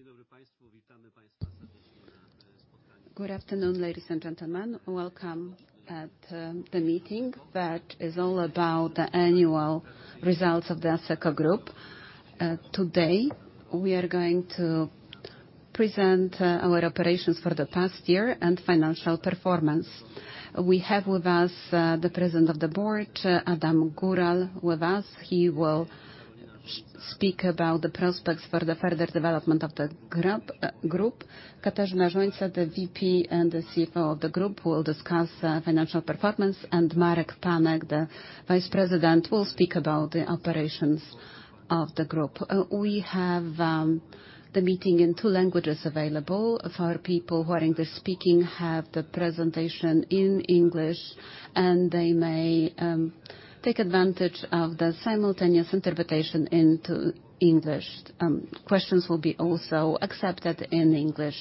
Dzień dobry Państwu, witamy Państwa serdecznie na spotkaniu. Good afternoon, ladies and gentlemen. Welcome at the meeting that is all about the annual results of the Asseco Group. Today we are going to present our operations for the past year and financial performance. We have with us the, President of the Board, Adam Góral with us. He will speak about the prospects for the further development of the group. Karolina Rzońca-Bajorek, the VP and the CFO of the group, will discuss financial performance, and Marek Panek, the Vice President, will speak about the operations of the group. We have the meeting in two languages available. For people who are English-speaking, have the presentation in English, and they may take advantage of the simultaneous interpretation into English. Questions will be also accepted in English.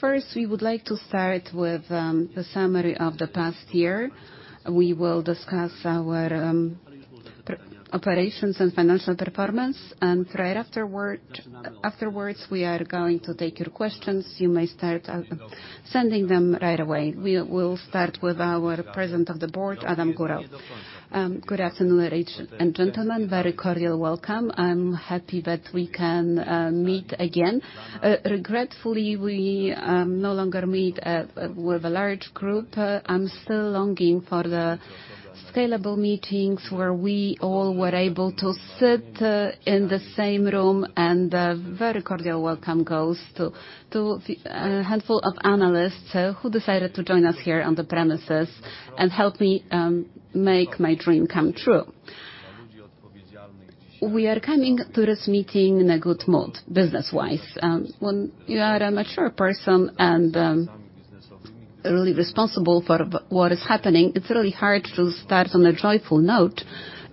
First, we would like to start with the summary of the past year. We will discuss our operations and financial performance, and right afterwards we are going to take your questions. You may start sending them right away. We will start with our President of the Board, Adam Góral. Good afternoon, ladies and gentlemen. Very cordial welcome. I'm happy that we can meet again. Regretfully, we no longer meet with a large group. I'm still longing for the scalable meetings where we all were able to sit in the same room, and a very cordial welcome goes to a handful of analysts who decided to join us here on the premises and help me make my dream come true. We are coming to this meeting in a good mood, business-wise. When you are a mature person and really responsible for what is happening, it's really hard to start on a joyful note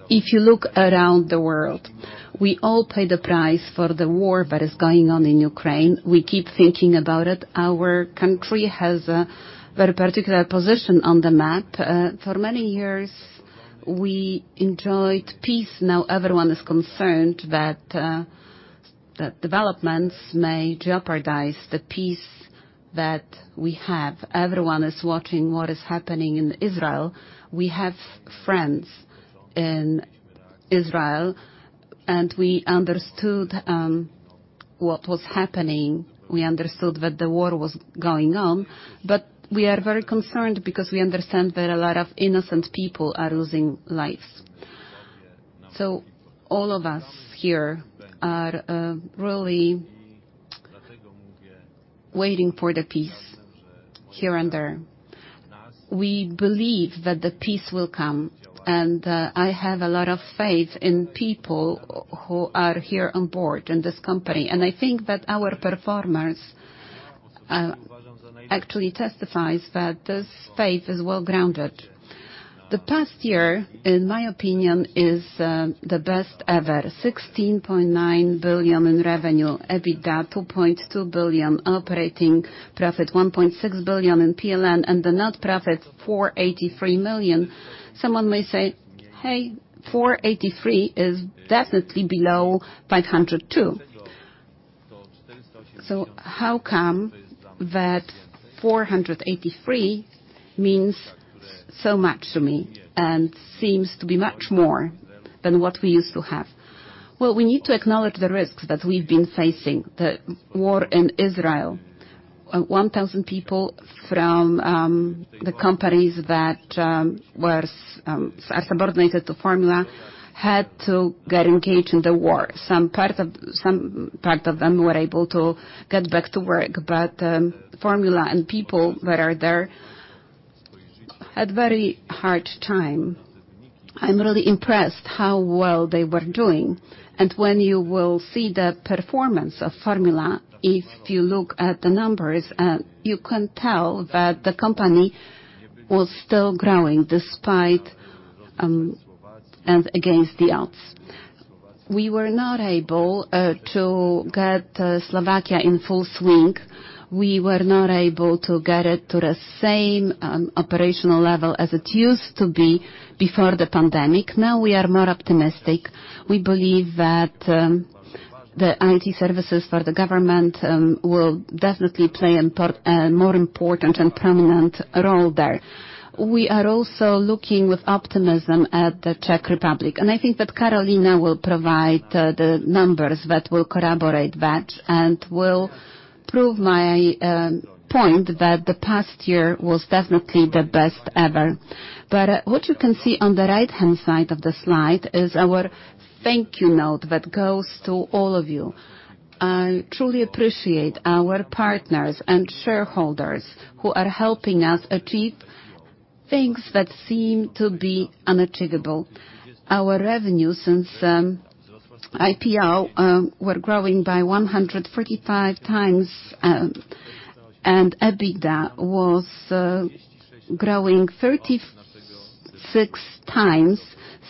if you look around the world. We all pay the price for the war that is going on in Ukraine. We keep thinking about it. Our country has a very particular position on the map. For many years, we enjoyed peace. Now everyone is concerned that developments may jeopardize the peace that we have. Everyone is watching what is happening in Israel. We have friends in Israel, and we understood what was happening. We understood that the war was going on, but we are very concerned because we understand that a lot of innocent people are losing lives. So all of us here are really waiting for the peace here and there. We believe that the peace will come, and I have a lot of faith in people who are here on board in this company, and I think that our performance actually testifies that this faith is well-grounded. The past year, in my opinion, is the best ever: 16.9 billion in revenue, EBITDA 2.2 billion, operating profit 1.6 billion PLN in PLN, and the net profit 483 million. Someone may say, "Hey, 483 is definitely below 502." So how come that 483 means so much to me and seems to be much more than what we used to have? Well, we need to acknowledge the risks that we've been facing: the war in Israel. 1,000 people from the companies that were subordinated to Formula had to get engaged in the war. Some part of them were able to get back to work, but Formula and people that are there had a very hard time. I'm really impressed how well they were doing. When you will see the performance of Formula, if you look at the numbers, you can tell that the company was still growing despite and against the odds. We were not able to get Slovakia in full swing. We were not able to get it to the same operational level as it used to be before the pandemic. Now we are more optimistic. We believe that the IT services for the government will definitely play a more important and prominent role there. We are also looking with optimism at the Czech Republic, and I think that Karolina will provide the numbers that will corroborate that and will prove my point that the past year was definitely the best ever. But what you can see on the right-hand side of the slide is our thank-you note that goes to all of you. I truly appreciate our partners and shareholders who are helping us achieve things that seem to be unachievable. Our revenue since IPO were growing by 145 times, and EBITDA was growing 36 times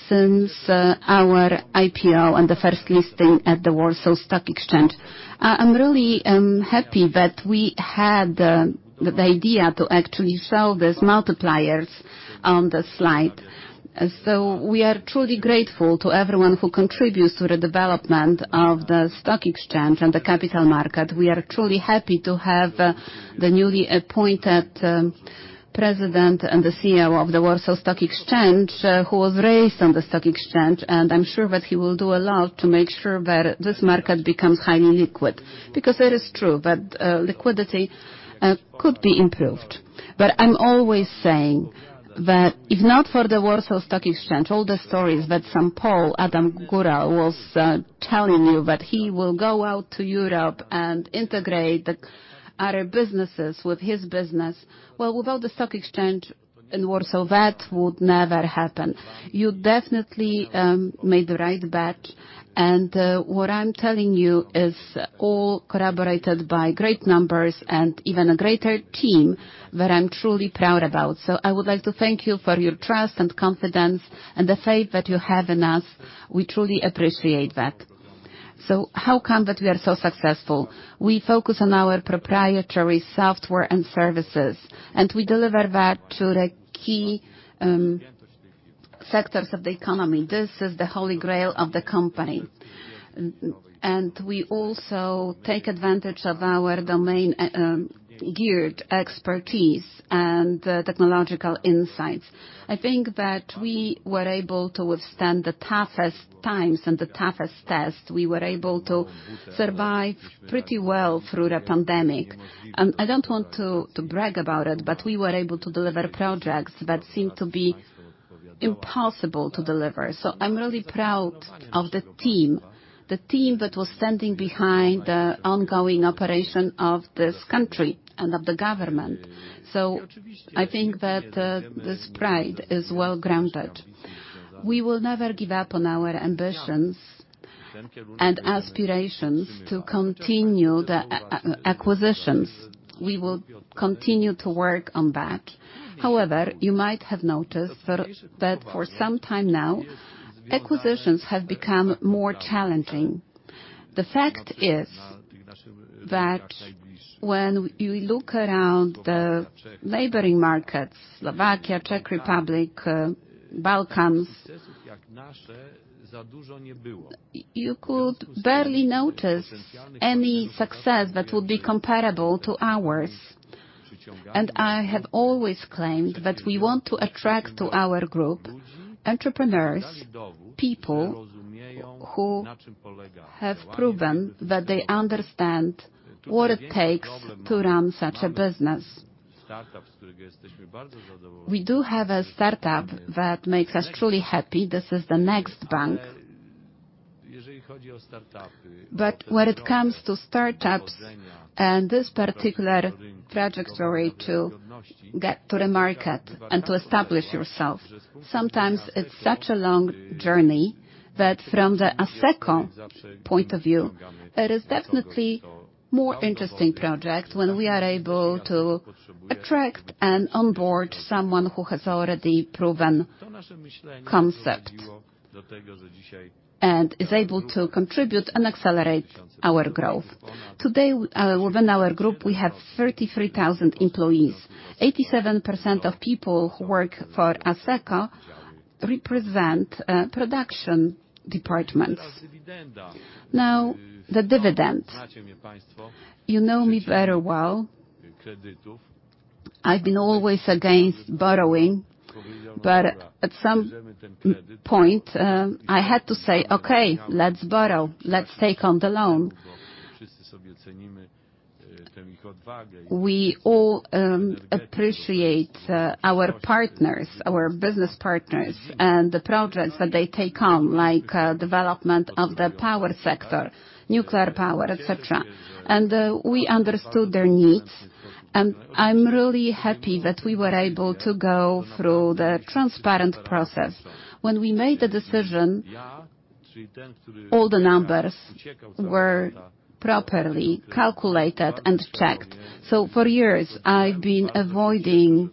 since our IPO and the first listing at the Warsaw Stock Exchange. I'm really happy that we had the idea to actually show these multipliers on the slide. We are truly grateful to everyone who contributes to the development of the stock exchange and the capital market. We are truly happy to have the newly appointed President and the CEO of the Warsaw Stock Exchange, who was raised on the stock exchange, and I'm sure that he will do a lot to make sure that this market becomes highly liquid because it is true that liquidity could be improved. But I'm always saying that if not for the Warsaw Stock Exchange, all the stories that some Pole, Adam Góral, was telling you that he will go out to Europe and integrate the other businesses with his business, well, without the stock exchange in Warsaw, that would never happen. You definitely made the right bet, and what I'm telling you is all corroborated by great numbers and even a greater team that I'm truly proud about. So I would like to thank you for your trust and confidence and the faith that you have in us. We truly appreciate that. So how come that we are so successful? We focus on our proprietary software and services, and we deliver that to the key sectors of the economy. This is the Holy Grail of the company, and we also take advantage of our domain-geared expertise and technological insights. I think that we were able to withstand the toughest times and the toughest tests. We were able to survive pretty well through the pandemic. I don't want to brag about it, but we were able to deliver projects that seemed to be impossible to deliver. So I'm really proud of the team, the team that was standing behind the ongoing operation of this country and of the government. So I think that this pride is well-grounded. We will never give up on our ambitions and aspirations to continue the acquisitions. We will continue to work on that. However, you might have noticed that for some time now, acquisitions have become more challenging. The fact is that when you look around the labor markets (Slovakia, Czech Republic, Balkans), you could barely notice any success that would be comparable to ours. I have always claimed that we want to attract to our group entrepreneurs, people who have proven that they understand what it takes to run such a business. We do have a startup that makes us truly happy. This is the Nextbank. But when it comes to startups and this particular trajectory to get to the market and to establish yourself, sometimes it's such a long journey that from the Asseco point of view, it is definitely a more interesting project when we are able to attract and onboard someone who has already proven concept and is able to contribute and accelerate our growth. Today, within our group, we have 33,000 employees. 87% of people who work for Asseco represent production departments. Now, the dividends. You know me very well. I've been always against borrowing, but at some point, I had to say, "Okay, let's borrow. Let's take on the loan." We all appreciate our partners, our business partners, and the projects that they take on, like the development of the power sector, nuclear power, etc. We understood their needs, and I'm really happy that we were able to go through the transparent process. When we made the decision, all the numbers were properly calculated and checked. For years, I've been avoiding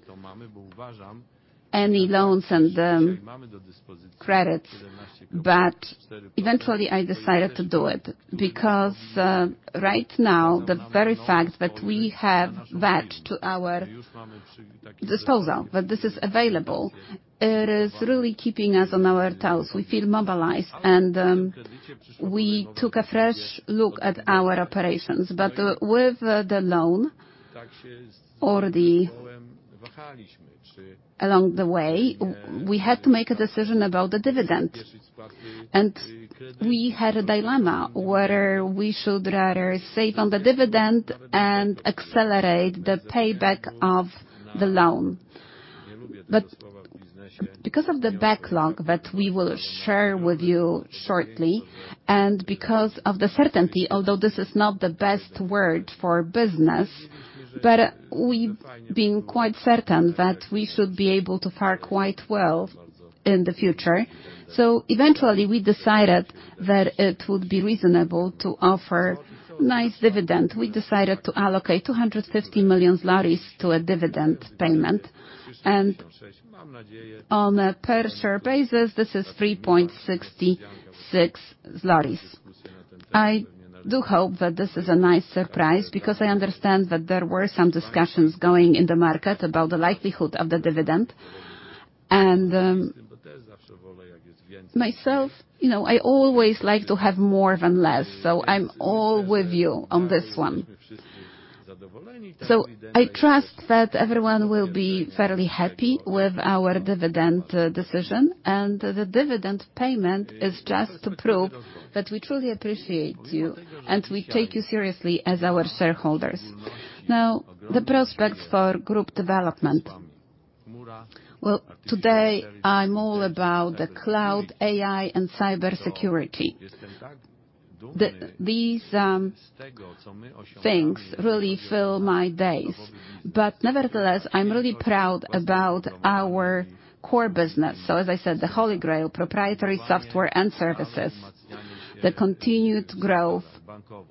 any loans and credits, but eventually, I decided to do it because right now, the very fact that we have that to our disposal, that this is available, it is really keeping us on our toes. We feel mobilized, and we took a fresh look at our operations. But with the loan along the way, we had to make a decision about the dividend, and we had a dilemma whether we should rather save on the dividend and accelerate the payback of the loan. But because of the backlog that we will share with you shortly and because of the certainty, although this is not the best word for business, but we've been quite certain that we should be able to fare quite well in the future. So eventually, we decided that it would be reasonable to offer a nice dividend. We decided to allocate 250 million zlotys to a dividend payment, and on a per-share basis, this is 3.66 zlotys. I do hope that this is a nice surprise because I understand that there were some discussions going in the market about the likelihood of the dividend. Myself, I always like to have more than less, so I'm all with you on this one. I trust that everyone will be fairly happy with our dividend decision, and the dividend payment is just to prove that we truly appreciate you and we take you seriously as our shareholders. Now, the prospects for group development. Well, today, I'm all about the cloud, AI, and cybersecurity. These things really fill my days, but nevertheless, I'm really proud about our core business. As I said, the Holy Grail: proprietary software and services, the continued growth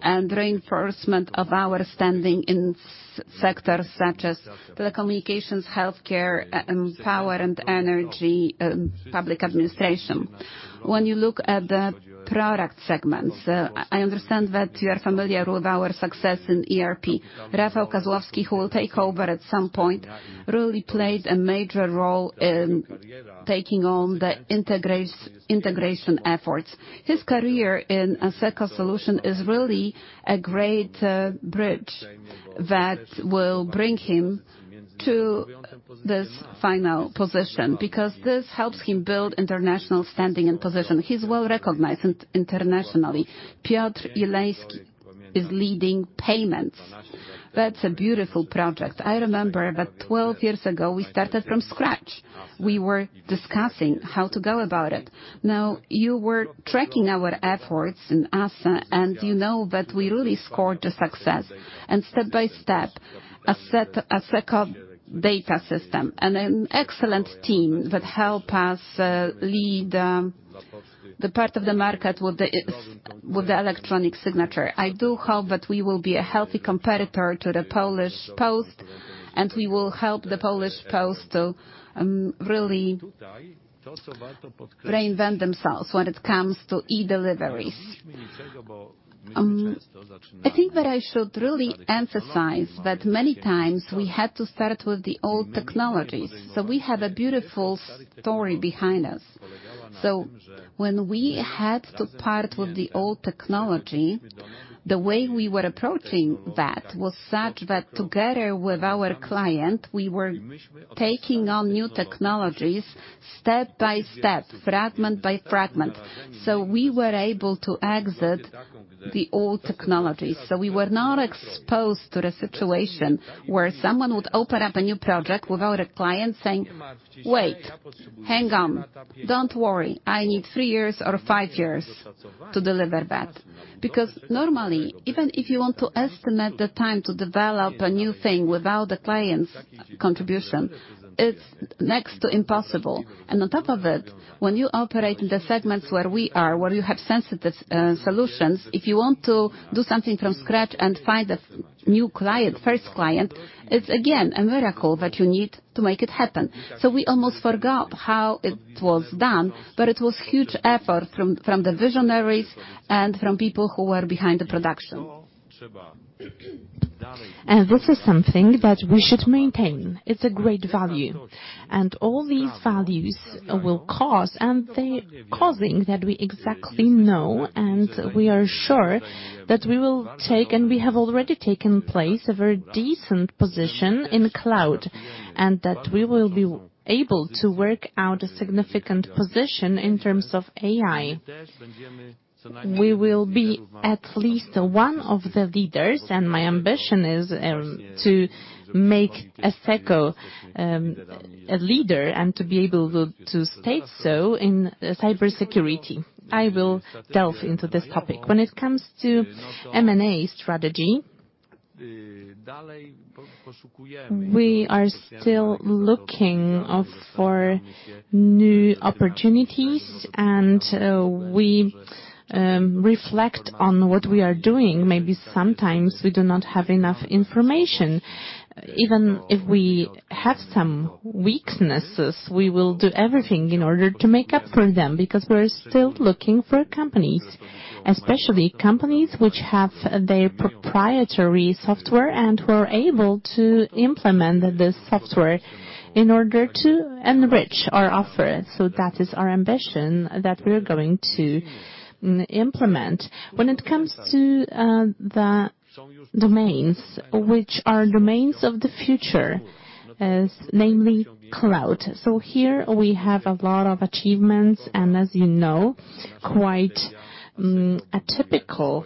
and reinforcement of our standing in sectors such as telecommunications, healthcare, power, and energy, public administration. When you look at the product segments, I understand that you are familiar with our success in ERP. Rafał Kozłowski, who will take over at some point, really played a major role in taking on the integration efforts. His career in Asseco Solutions is really a great bridge that will bring him to this final position because this helps him build international standing and position. He's well recognized internationally. Piotr Jeleński is leading payments. That's a beautiful project. I remember that 12 years ago, we started from scratch. We were discussing how to go about it. Now, you were tracking our efforts in Asseco, and you know that we really scored the success. And step by step, Asseco Data Systems and an excellent team that helped us lead the part of the market with the electronic signature. I do hope that we will be a healthy competitor to the Polish Post, and we will help the Polish Post to really reinvent themselves when it comes to e-deliveries. I think that I should really emphasize that many times, we had to start with the old technologies. So we have a beautiful story behind us. So when we had to part with the old technology, the way we were approaching that was such that together with our client, we were taking on new technologies step by step, fragment by fragment. So we were able to exit the old technologies. So we were not exposed to the situation where someone would open up a new project without a client saying, "Wait, hang on. Don't worry. I need three years or five years to deliver that." Because normally, even if you want to estimate the time to develop a new thing without a client's contribution, it's next to impossible. And on top of it, when you operate in the segments where we are, where you have sensitive solutions, if you want to do something from scratch and find a new client, first client, it's, again, a miracle that you need to make it happen. So we almost forgot how it was done, but it was a huge effort from the visionaries and from people who were behind the production. And this is something that we should maintain. It's a great value, and all these values will cause and they're causing that we exactly know and we are sure that we will take - and we have already taken place - a very decent position in cloud and that we will be able to work out a significant position in terms of AI. We will be at least one of the leaders, and my ambition is to make Asseco a leader and to be able to state so in cybersecurity. I will delve into this topic. When it comes to M&A strategy, we are still looking for new opportunities, and we reflect on what we are doing. Maybe sometimes we do not have enough information. Even if we have some weaknesses, we will do everything in order to make up for them because we are still looking for companies, especially companies which have their proprietary software and who are able to implement this software in order to enrich our offer. So that is our ambition that we are going to implement. When it comes to the domains, which are domains of the future, namely cloud. So here, we have a lot of achievements and, as you know, quite a typical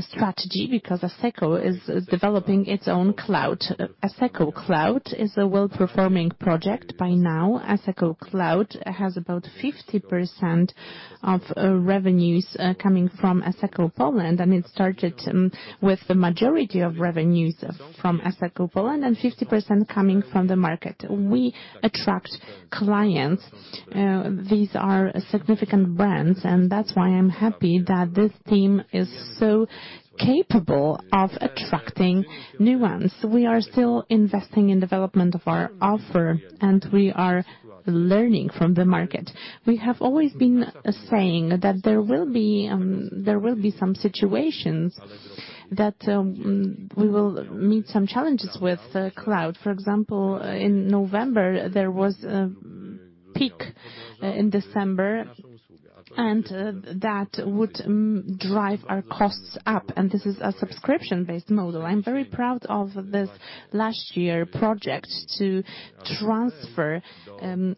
strategy because Asseco is developing its own cloud. Asseco Cloud is a well-performing project by now. Asseco Cloud has about 50% of revenues coming from Asseco Poland, and it started with the majority of revenues from Asseco Poland and 50% coming from the market. We attract clients. These are significant brands, and that's why I'm happy that this team is so capable of attracting new ones. We are still investing in the development of our offer, and we are learning from the market. We have always been saying that there will be some situations that we will meet some challenges with cloud. For example, in November, there was a peak in December, and that would drive our costs up. This is a subscription-based model. I'm very proud of this last-year project to transfer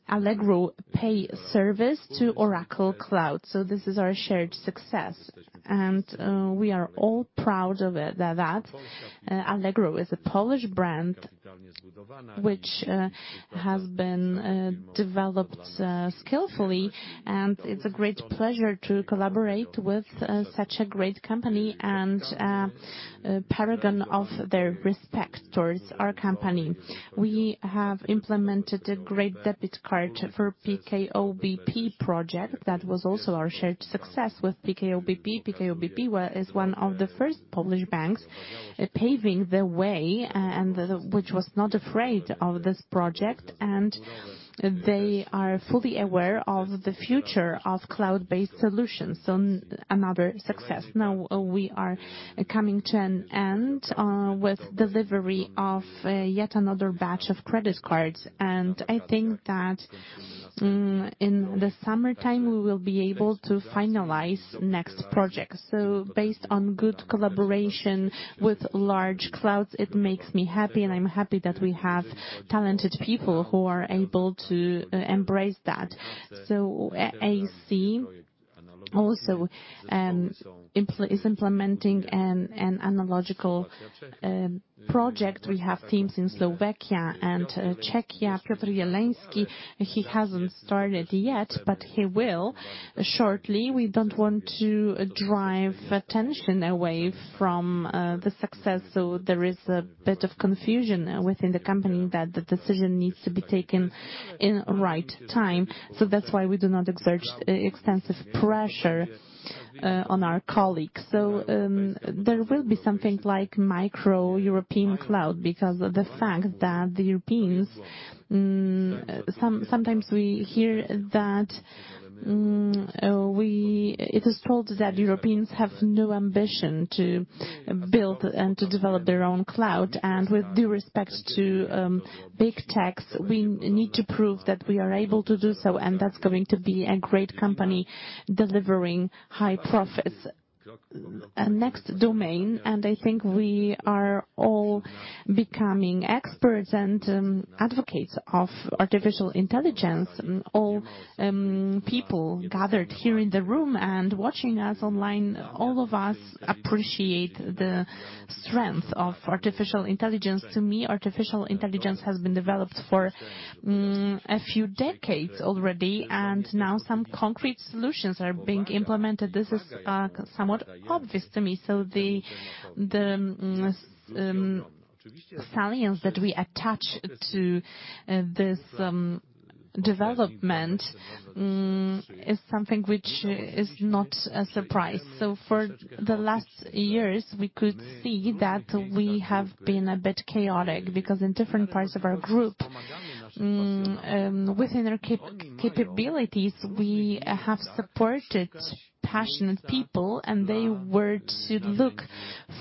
Allegro Pay service to Oracle Cloud. So this is our shared success, and we are all proud of that. Allegro is a Polish brand which has been developed skillfully, and it's a great pleasure to collaborate with such a great company and a paragon of their respect towards our company. We have implemented a great debit card for the PKO BP project. That was also our shared success with PKO BP. PKO BP is one of the first Polish banks paving the way, which was not afraid of this project, and they are fully aware of the future of cloud-based solutions. So another success. Now, we are coming to an end with the delivery of yet another batch of credit cards, and I think that in the summertime, we will be able to finalize the next project. So based on good collaboration with large clouds, it makes me happy, and I'm happy that we have talented people who are able to embrace that. So ACE also is implementing an analogical project. We have teams in Slovakia and Czechia. Piotr Jeleński, he hasn't started yet, but he will shortly. We don't want to drive tension away from the success. So there is a bit of confusion within the company that the decision needs to be taken at the right time. So that's why we do not exert extensive pressure on our colleagues. So there will be something like micro-European cloud because of the fact that the Europeans - sometimes we hear that it is told that Europeans have no ambition to build and to develop their own cloud. With due respect to big techs, we need to prove that we are able to do so, and that's going to be a great company delivering high profits. A next domain, and I think we are all becoming experts and advocates of artificial intelligence. All people gathered here in the room and watching us online, all of us appreciate the strength of artificial intelligence. To me, artificial intelligence has been developed for a few decades already, and now some concrete solutions are being implemented. This is somewhat obvious to me. So the salience that we attach to this development is something which is not a surprise. So for the last years, we could see that we have been a bit chaotic because in different parts of our group, within our capabilities, we have supported passionate people, and they were to look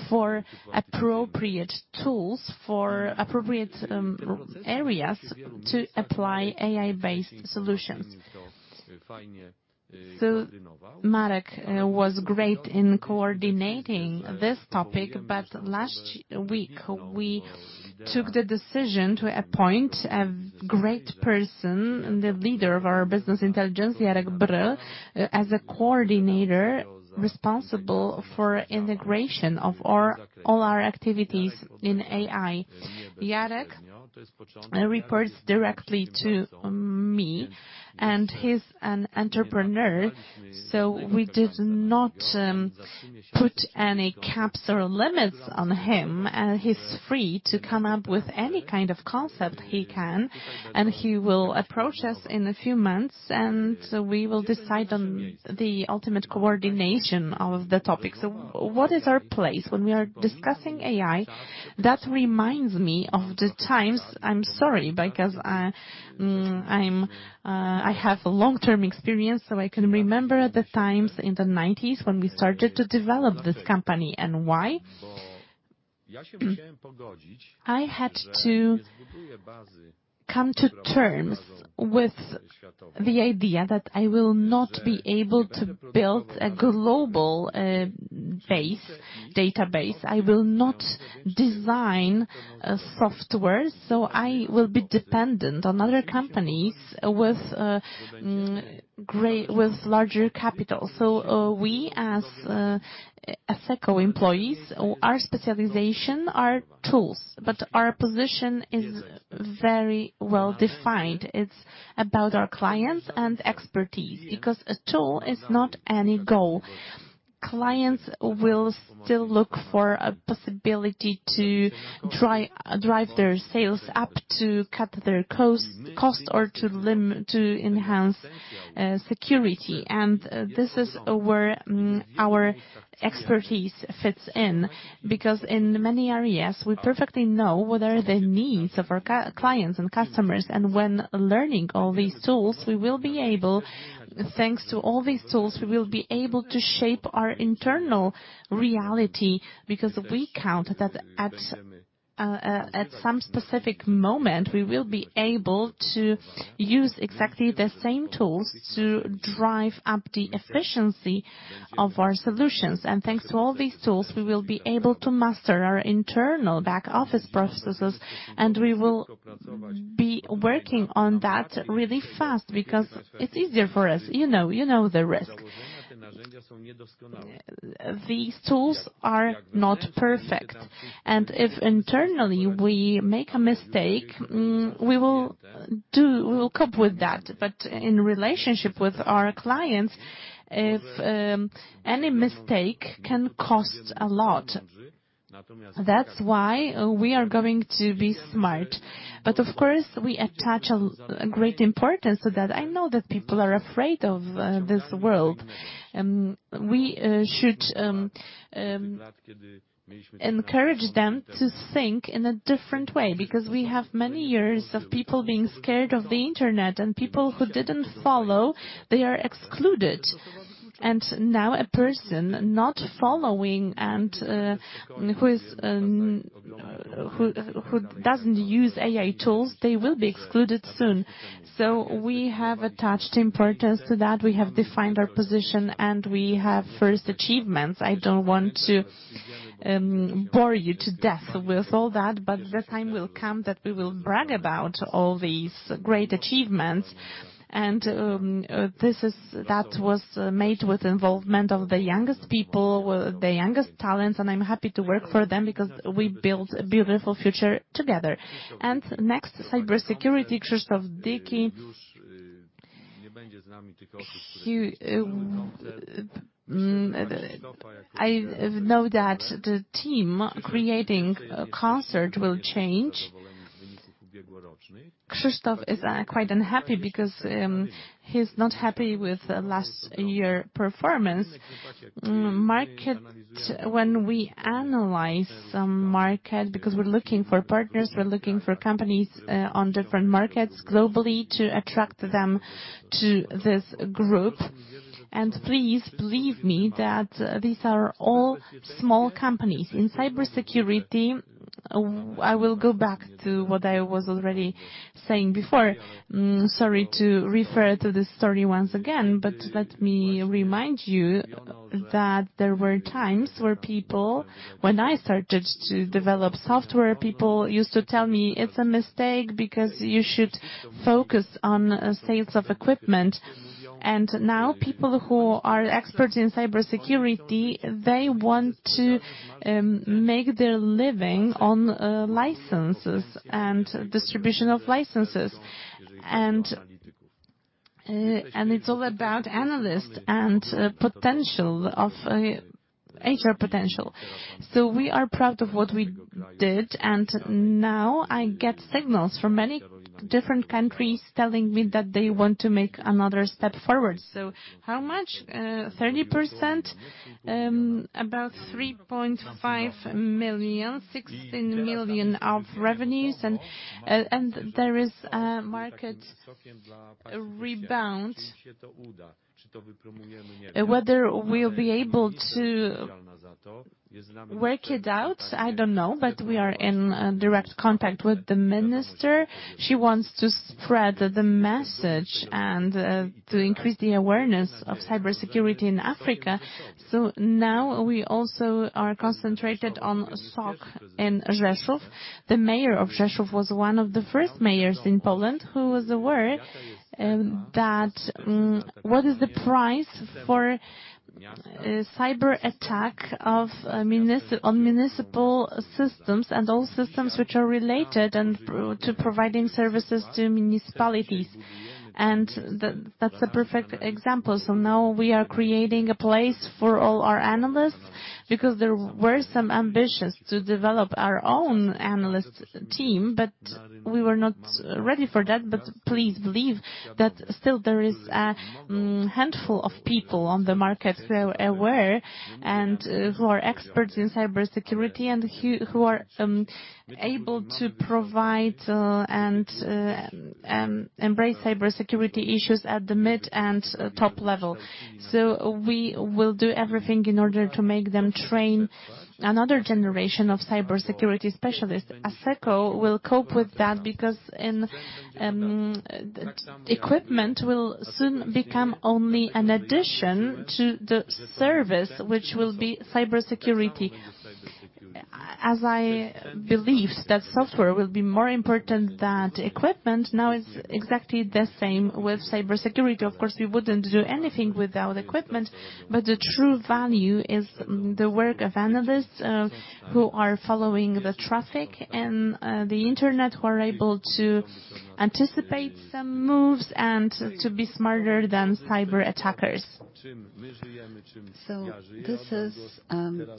for appropriate tools for appropriate areas to apply AI-based solutions. So Marek was great in coordinating this topic, but last week, we took the decision to appoint a great person, the leader of our business intelligence, Jarek Bryl, as a coordinator responsible for integration of all our activities in AI. Jarek reports directly to me, and he's an entrepreneur, so we did not put any caps or limits on him. He's free to come up with any kind of concept he can, and he will approach us in a few months, and we will decide on the ultimate coordination of the topic. So what is our place? When we are discussing AI, that reminds me of the times, I'm sorry because I have long-term experience, so I can remember the times in the 1990s when we started to develop this company and why I had to come to terms with the idea that I will not be able to build a global database. I will not design software, so I will be dependent on other companies with larger capital. So we, as Asseco employees, our specialization is tools, but our position is very well defined. It's about our clients and expertise because a tool is not any goal. Clients will still look for a possibility to drive their sales up, to cut their cost, or to enhance security. And this is where our expertise fits in because in many areas, we perfectly know what are the needs of our clients and customers. When learning all these tools, we will be able, thanks to all these tools, we will be able to shape our internal reality because we count that at some specific moment, we will be able to use exactly the same tools to drive up the efficiency of our solutions. Thanks to all these tools, we will be able to master our internal back-office processes, and we will be working on that really fast because it's easier for us. You know the risk. These tools are not perfect, and if internally we make a mistake, we will cope with that. In relationship with our clients, any mistake can cost a lot. That's why we are going to be smart. Of course, we attach great importance to that. I know that people are afraid of this world. We should encourage them to think in a different way because we have many years of people being scared of the internet, and people who didn't follow, they are excluded. And now, a person not following and who doesn't use AI tools, they will be excluded soon. So we have attached importance to that. We have defined our position, and we have first achievements. I don't want to bore you to death with all that, but the time will come that we will brag about all these great achievements. And that was made with the involvement of the youngest people, the youngest talents, and I'm happy to work for them because we built a beautiful future together. And next, cybersecurity. Krzysztof Dyki. I know that the ComCERT team will change. Krzysztof is quite unhappy because he's not happy with last year's performance. When we analyze some markets because we're looking for partners, we're looking for companies on different markets globally to attract them to this group. Please believe me that these are all small companies. In cybersecurity, I will go back to what I was already saying before. Sorry to refer to this story once again, but let me remind you that there were times where people, when I started to develop software, people used to tell me, "It's a mistake because you should focus on sales of equipment." Now, people who are experts in cybersecurity, they want to make their living on licenses and distribution of licenses. And it's all about analysts and HR potential. We are proud of what we did, and now I get signals from many different countries telling me that they want to make another step forward. So how much? 30%? About 3.5 million, 16 million of revenues, and there is a market rebound. Whether we'll be able to work it out, I don't know, but we are in direct contact with the minister. She wants to spread the message and to increase the awareness of cybersecurity in Africa. So now, we also are concentrated on SOC in Rzeszów. The mayor of Rzeszów was one of the first mayors in Poland who was aware that what is the price for a cyber attack on municipal systems and all systems which are related to providing services to municipalities. That's a perfect example. So now, we are creating a place for all our analysts because there were some ambitions to develop our own analyst team, but we were not ready for that. But please believe that still, there is a handful of people on the market who are aware and who are experts in cybersecurity and who are able to provide and embrace cybersecurity issues at the mid and top level. So we will do everything in order to make them train another generation of cybersecurity specialists. Asseco will cope with that because equipment will soon become only an addition to the service, which will be cybersecurity. As I believed that software will be more important than equipment, now it's exactly the same with cybersecurity. Of course, we wouldn't do anything without equipment, but the true value is the work of analysts who are following the traffic on the internet, who are able to anticipate some moves and to be smarter than cyber attackers. So this is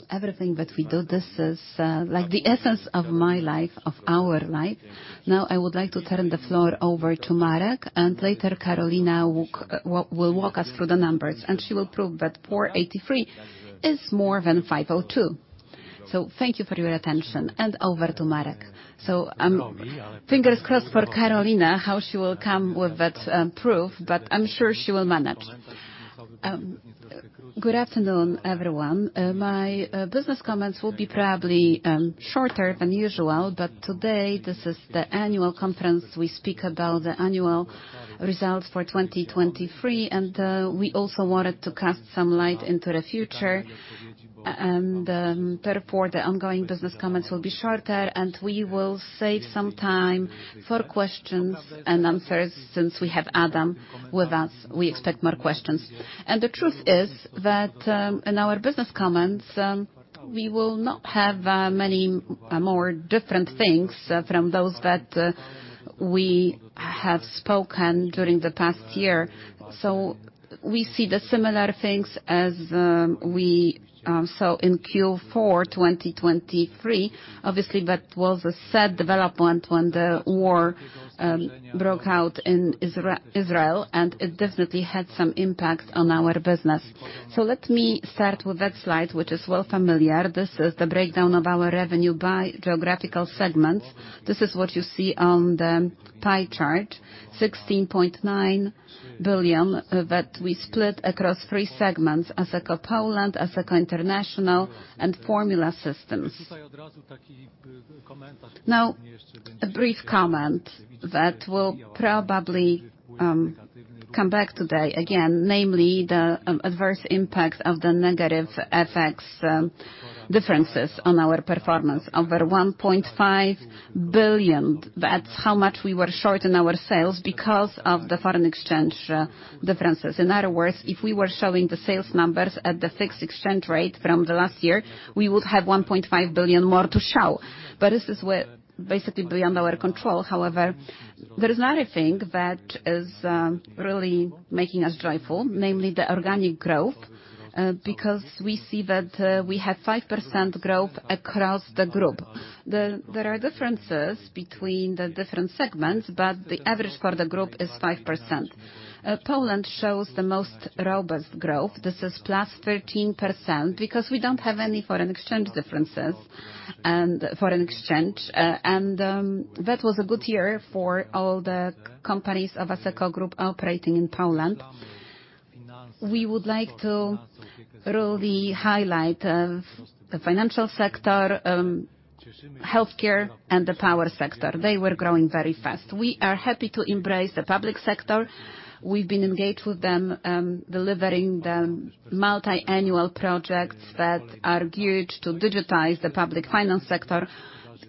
everything that we do. This is the essence of my life, of our life. Now, I would like to turn the floor over to Marek, and later, Karolina will walk us through the numbers, and she will prove that 483 is more than 502. So thank you for your attention, and over to Marek. So fingers crossed for Karolina, how she will come with that proof, but I'm sure she will manage. Good afternoon, everyone. My business comments will be probably shorter than usual, but today, this is the annual conference. We speak about the annual results for 2023, and we also wanted to cast some light into the future. Therefore, the ongoing business comments will be shorter, and we will save some time for questions and answers since we have Adam with us. We expect more questions. The truth is that in our business comments, we will not have many more different things from those that we have spoken during the past year. We see the similar things as we saw in Q4 2023, obviously, but it was a sad development when the war broke out in Israel, and it definitely had some impact on our business. Let me start with that slide, which is well familiar. This is the breakdown of our revenue by geographical segments. This is what you see on the pie chart: 16.9 billion that we split across three segments: Asseco Poland, Asseco International, and Formula Systems. Now, a brief comment that will probably come back today again, namely the adverse impact of the negative FX differences on our performance: over 1.5 billion. That's how much we were short in our sales because of the foreign exchange differences. In other words, if we were showing the sales numbers at the fixed exchange rate from the last year, we would have 1.5 billion more to show. But this is basically beyond our control. However, there is another thing that is really making us joyful, namely the organic growth, because we see that we have 5% growth across the group. There are differences between the different segments, but the average for the group is 5%. Poland shows the most robust growth. This is +13% because we don't have any foreign exchange differences, and that was a good year for all the companies of Asseco Group operating in Poland. We would like to really highlight the financial sector, healthcare, and the power sector. They were growing very fast. We are happy to embrace the public sector. We've been engaged with them, delivering the multi-annual projects that are geared to digitize the public finance sector.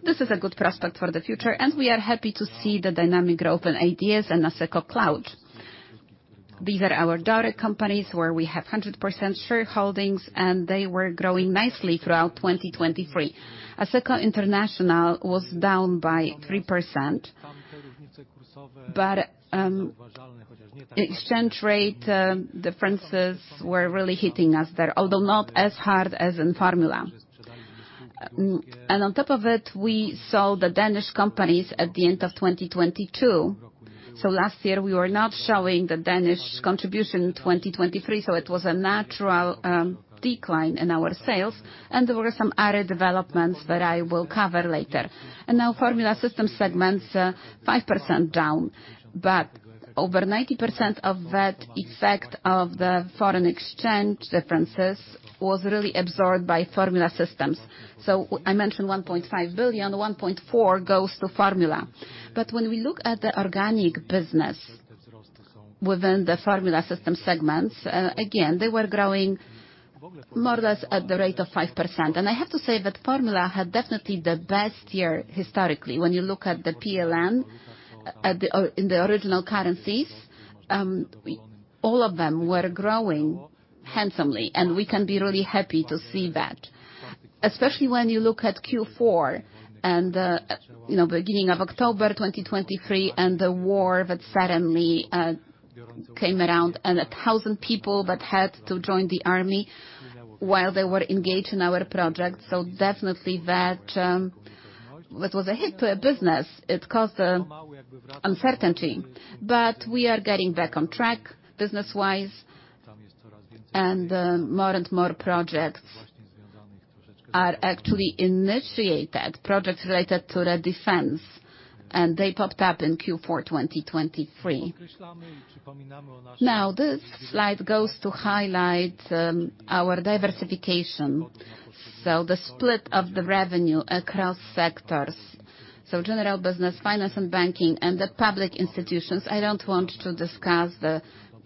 This is a good prospect for the future, and we are happy to see the dynamic growth in ADS and Asseco Cloud. These are our direct companies where we have 100% shareholdings, and they were growing nicely throughout 2023. Asseco International was down by 3%, but exchange rate differences were really hitting us there, although not as hard as in Formula. And on top of it, we saw the Danish companies at the end of 2022. So last year, we were not showing the Danish contribution in 2023, so it was a natural decline in our sales, and there were some other developments that I will cover later. Now, Formula Systems segments are 5% down, but over 90% of that effect of the foreign exchange differences was really absorbed by Formula Systems. So I mentioned 1.5 billion. 1.4 billion goes to Formula. But when we look at the organic business within the Formula Systems segments, again, they were growing more or less at the rate of 5%. And I have to say that Formula had definitely the best year historically. When you look at the PLN in the original currencies, all of them were growing handsomely, and we can be really happy to see that, especially when you look at Q4 and the beginning of October 2023 and the war that suddenly came around and 1,000 people that had to join the army while they were engaged in our project. So definitely, that was a hit to a business. It caused uncertainty, but we are getting back on track business-wise, and more and more projects are actually initiated, projects related to the defense, and they popped up in Q4 2023. Now, this slide goes to highlight our diversification. So the split of the revenue across sectors, so general business, finance, and banking, and the public institutions. I don't want to discuss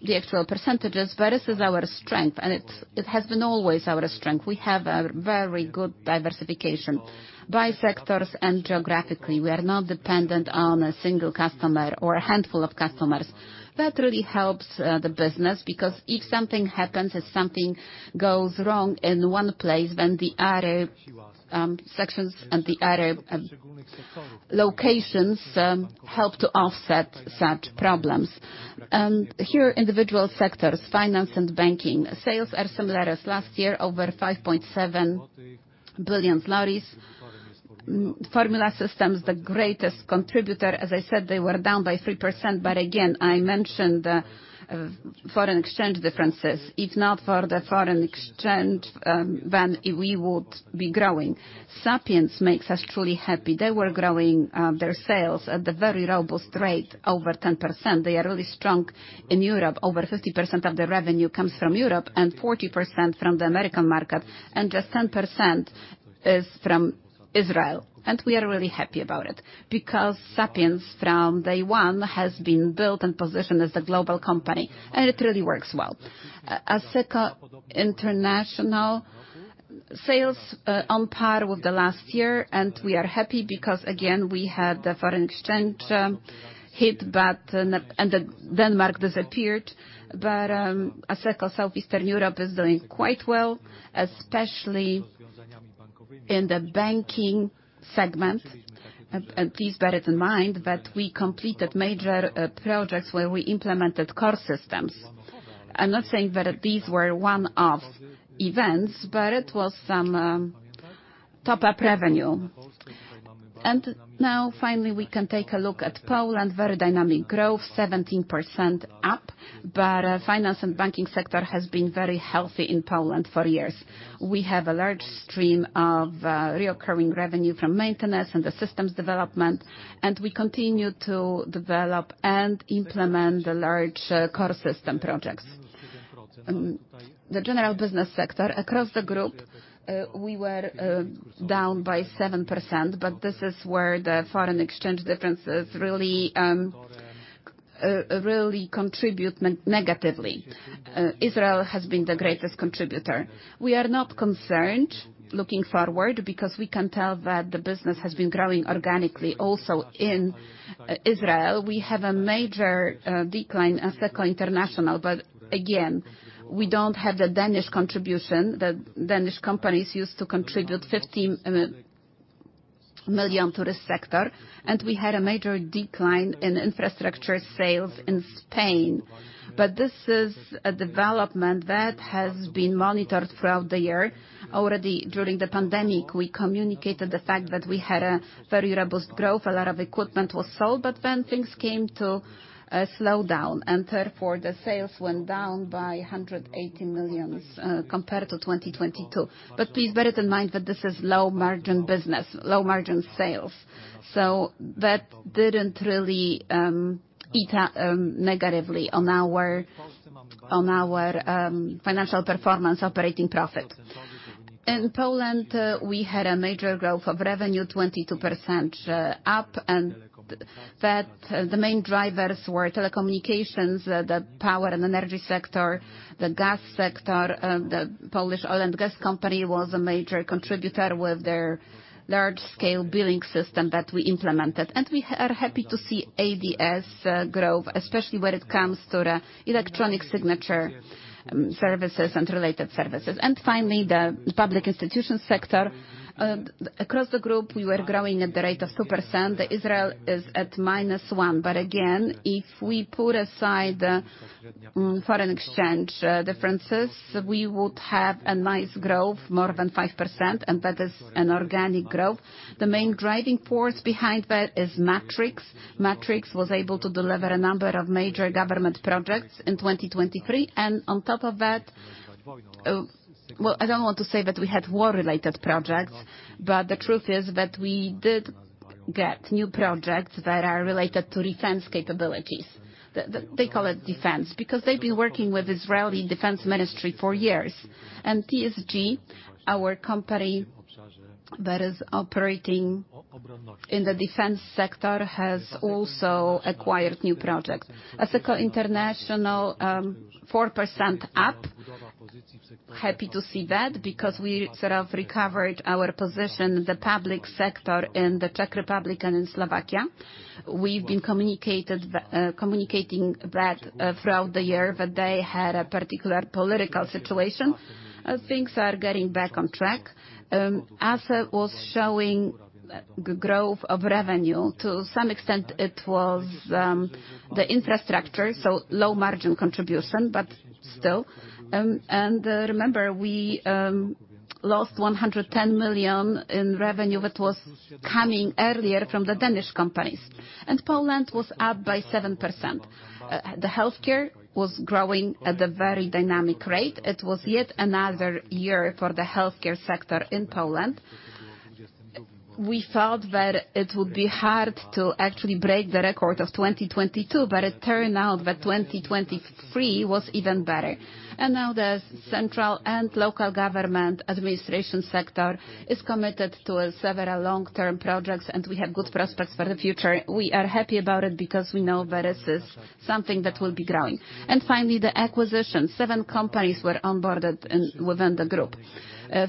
the actual percentages, but this is our strength, and it has been always our strength. We have a very good diversification by sectors and geographically. We are not dependent on a single customer or a handful of customers. That really helps the business because if something happens, if something goes wrong in one place, then the other sections and the other locations help to offset such problems. And here, individual sectors, finance and banking, sales are similar as last year, over 5.7 billion. Formula Systems, the greatest contributor, as I said, they were down by 3%, but again, I mentioned the foreign exchange differences. If not for the foreign exchange, then we would be growing. Sapiens makes us truly happy. They were growing their sales at a very robust rate, over 10%. They are really strong in Europe. Over 50% of the revenue comes from Europe and 40% from the American market, and just 10% is from Israel. And we are really happy about it because Sapiens, from day one, has been built and positioned as a global company, and it really works well. Asseco International, sales on par with the last year, and we are happy because, again, we had the foreign exchange hit, but Denmark disappeared. But Asseco South Eastern Europe is doing quite well, especially in the banking segment. Please bear it in mind that we completed major projects where we implemented core systems. I'm not saying that these were one-off events, but it was some top-up revenue. And now, finally, we can take a look at Poland, very dynamic growth, 17% up, but the finance and banking sector has been very healthy in Poland for years. We have a large stream of recurring revenue from maintenance and the systems development, and we continue to develop and implement the large core system projects. The general business sector, across the group, we were down by 7%, but this is where the foreign exchange differences really contribute negatively. Israel has been the greatest contributor. We are not concerned looking forward because we can tell that the business has been growing organically also in Israel. We have a major decline, Asseco International, but again, we don't have the Danish contribution. The Danish companies used to contribute 15 million to this sector, and we had a major decline in infrastructure sales in Spain. But this is a development that has been monitored throughout the year. Already during the pandemic, we communicated the fact that we had a very robust growth. A lot of equipment was sold, but then things came to slow down, and therefore, the sales went down by 180 million compared to 2022. But please bear it in mind that this is low-margin business, low-margin sales, so that didn't really eat negatively on our financial performance, operating profit. In Poland, we had a major growth of revenue, 22% up, and the main drivers were telecommunications, the power and energy sector, the gas sector. The Polish Oil and Gas Company was a major contributor with their large-scale billing system that we implemented, and we are happy to see ADS grow, especially when it comes to electronic signature services and related services. And finally, the public institution sector. Across the group, we were growing at the rate of 2%. Israel is at -1%, but again, if we put aside the foreign exchange differences, we would have a nice growth, more than 5%, and that is an organic growth. The main driving force behind that is Matrix. Matrix was able to deliver a number of major government projects in 2023, and on top of that, well, I don't want to say that we had war-related projects, but the truth is that we did get new projects that are related to defense capabilities. They call it defense because they've been working with the Israeli Defense Ministry for years, and TSG, our company that is operating in the defense sector, has also acquired new projects. Asseco International, 4% up. Happy to see that because we sort of recovered our position in the public sector in the Czech Republic and in Slovakia. We've been communicating that throughout the year that they had a particular political situation. Things are getting back on track. Asseco was showing the growth of revenue. To some extent, it was the infrastructure, so low-margin contribution, but still. And remember, we lost 110 million in revenue that was coming earlier from the Danish companies, and Poland was up by 7%. The healthcare was growing at a very dynamic rate. It was yet another year for the healthcare sector in Poland. We thought that it would be hard to actually break the record of 2022, but it turned out that 2023 was even better. And now, the central and local government administration sector is committed to several long-term projects, and we have good prospects for the future. We are happy about it because we know that this is something that will be growing. And finally, the acquisition. Seven companies were onboarded within the group.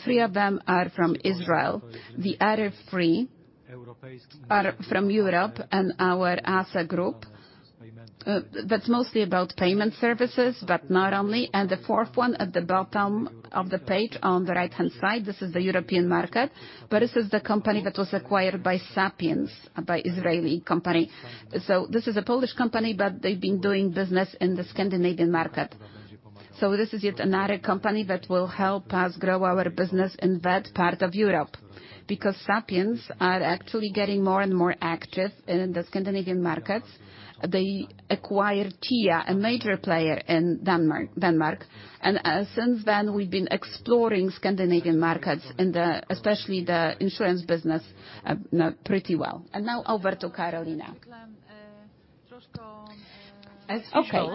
Three of them are from Israel. The other three are from Europe and our Asseco Group. That's mostly about payment services, but not only. And the fourth one at the bottom of the page on the right-hand side, this is the European market, but this is the company that was acquired by Sapiens, by an Israeli company. So this is a Polish company, but they've been doing business in the Scandinavian market. So this is yet another company that will help us grow our business in that part of Europe because Sapiens are actually getting more and more active in the Scandinavian markets. They acquired TIA, a major player in Denmark, and since then, we've been exploring Scandinavian markets, especially the insurance business, pretty well. And now over to Karolina. Okay.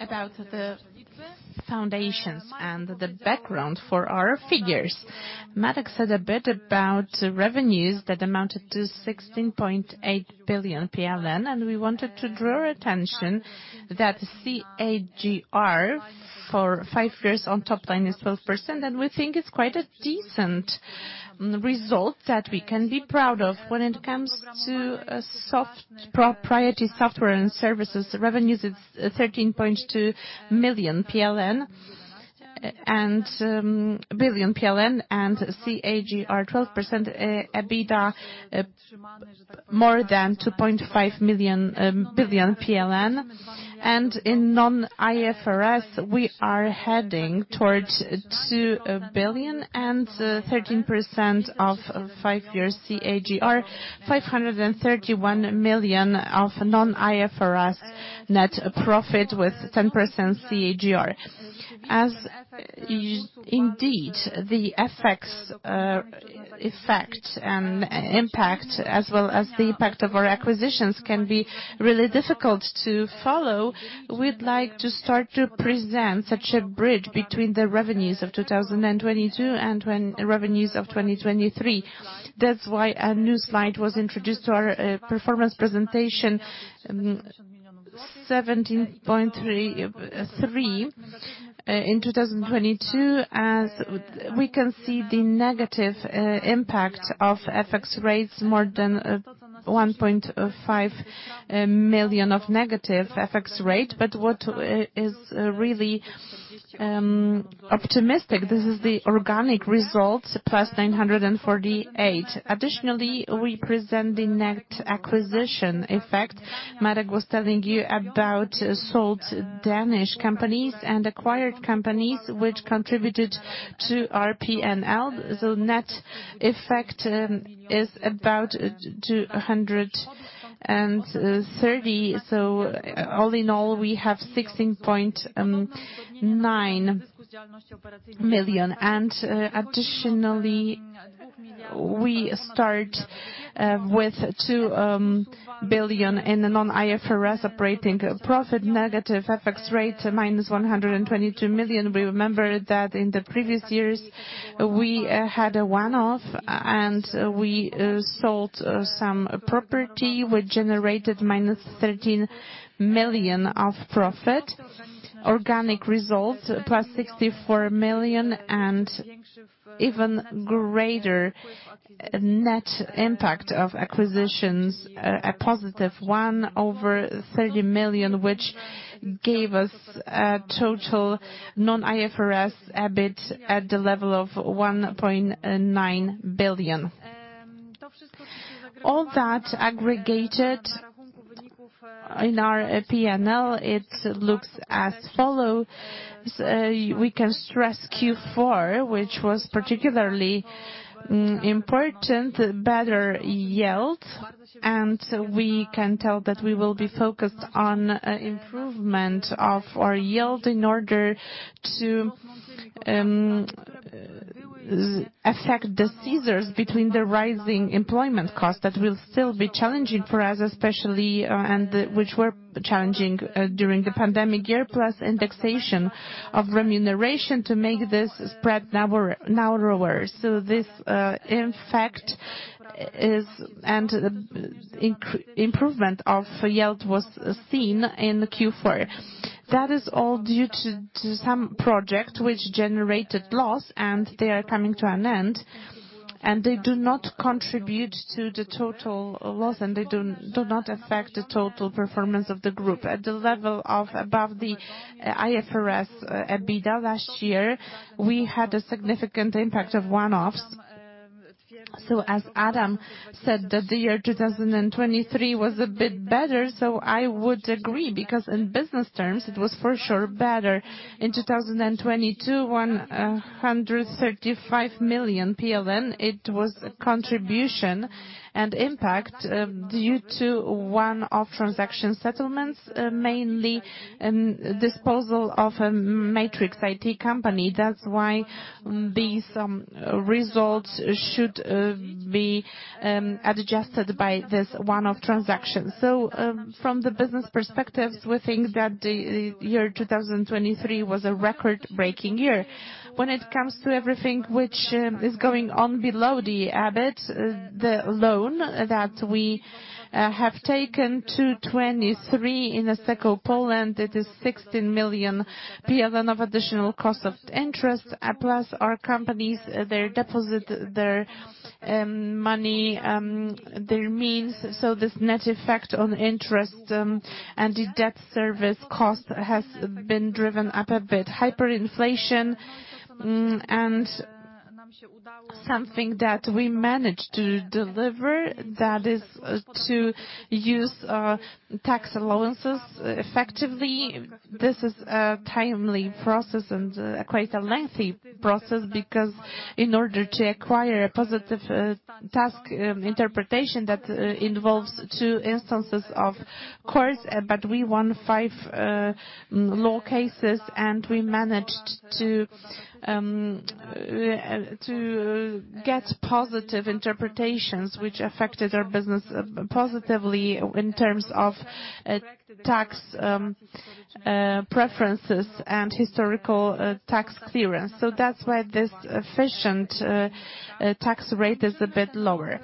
About the foundations and the background for our figures. Marek said a bit about revenues that amounted to 16.8 billion PLN, and we wanted to draw your attention that CAGR for five years on top line is 12%, and we think it's quite a decent result that we can be proud of when it comes to proprietary software and services. Revenues, it's 13.2 billion PLN, and CAGR 12%, EBITDA more than 2.5 billion PLN. In non-IFRS, we are heading towards 2 billion and 13% five-year CAGR, 531 million of non-IFRS net profit with 10% CAGR. As indeed, the effects and impact, as well as the impact of our acquisitions, can be really difficult to follow. We'd like to start to present such a bridge between the revenues of 2022 and revenues of 2023. That's why a new slide was introduced to our performance presentation: 17.3 billion in 2022, as we can see the negative impact of FX rates, more than 1.5 billion of negative FX rate. But what is really optimistic, this is the organic results plus 948 million. Additionally, we present the net acquisition effect. Marek was telling you about sold Danish companies and acquired companies, which contributed to our P&L. So net effect is about 230 million. So all in all, we have 16.9 billion. Additionally, we start with 2 billion in non-IFRS operating profit, negative FX rate, -122 million. We remember that in the previous years, we had a one-off, and we sold some property, which generated -13 million of profit, organic results +64 million and even greater net impact of acquisitions, a positive 130 million, which gave us a total non-IFRS EBIT at the level of 1.9 billion. All that aggregated in our P&L, it looks as follows. We can stress Q4, which was particularly important, better yield, and we can tell that we will be focused on improvement of our yield in order to affect the scissors between the rising employment costs that will still be challenging for us, especially, and which were challenging during the pandemic year, plus indexation of remuneration to make this spread narrower. So this impact and improvement of yield was seen in Q4. That is all due to some projects, which generated loss, and they are coming to an end, and they do not contribute to the total loss, and they do not affect the total performance of the group. At the level of above the IFRS EBITDA last year, we had a significant impact of one-offs. So as Adam said, that the year 2023 was a bit better, so I would agree because in business terms, it was for sure better. In 2022, 135 million PLN, it was a contribution and impact due to one-off transaction settlements, mainly disposal of a Matrix IT company. That's why these results should be adjusted by this one-off transaction. So from the business perspectives, we think that the year 2023 was a record-breaking year. When it comes to everything which is going on below the EBIT, the loan that we have taken to 2023 in Asseco Poland, it is 16 million PLN of additional cost of interest, plus our companies, their deposit, their money, their means. So this net effect on interest and the debt service cost has been driven up a bit. Hyperinflation, and something that we managed to deliver, that is to use tax allowances effectively. This is a timely process and quite a lengthy process because in order to acquire a positive tax interpretation that involves two instances of courts, but we won five law cases, and we managed to get positive interpretations, which affected our business positively in terms of tax preferences and historical tax clearance. So that's why this effective tax rate is a bit lower.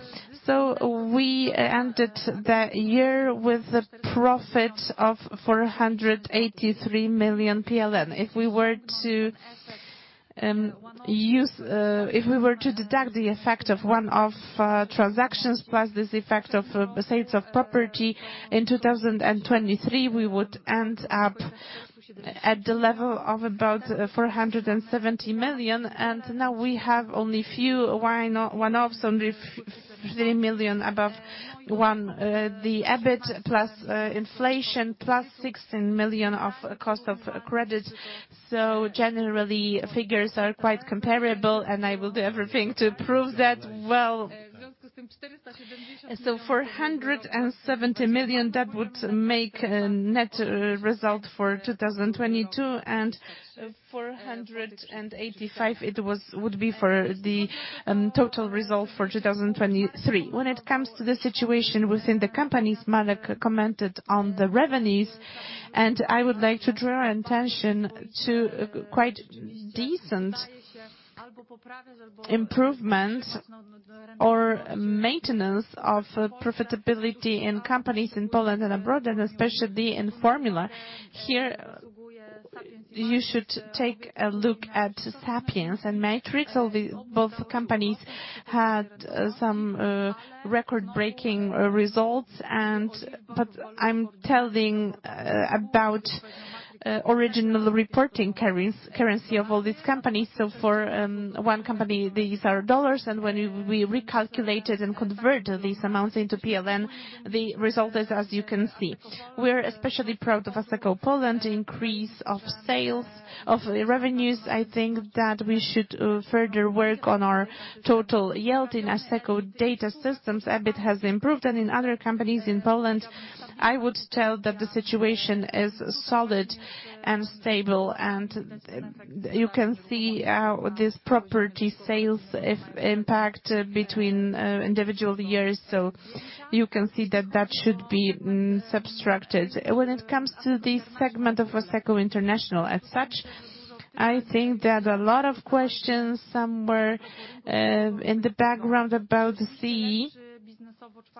So we ended the year with a profit of 483 million PLN. If we were to deduct the effect of one-off transactions plus this effect of sales of property in 2023, we would end up at the level of about 470 million, and now we have only few one-offs, only 3 million above one, the EBIT plus inflation plus 16 million of cost of credit. So generally, figures are quite comparable, and I will do everything to prove that. Well. So 470 million, that would make a net result for 2022, and 485 million, it would be for the total result for 2023. When it comes to the situation within the companies, Marek commented on the revenues, and I would like to draw your attention to quite decent improvements or maintenance of profitability in companies in Poland and abroad, and especially the Formula. Here, you should take a look at Sapiens and Matrix. Both companies had some record-breaking results, but I'm telling about original reporting currency of all these companies. So for one company, these are dollars, and when we recalculated and converted these amounts into PLN, the result is, as you can see. We're especially proud of Asseco Poland, increase of sales, of revenues. I think that we should further work on our total yield in Asseco Data Systems. EBIT has improved, and in other companies in Poland, I would tell that the situation is solid and stable, and you can see this property sales impact between individual years. So you can see that that should be subtracted. When it comes to this segment of Asseco International as such, I think that a lot of questions somewhere in the background about the CE.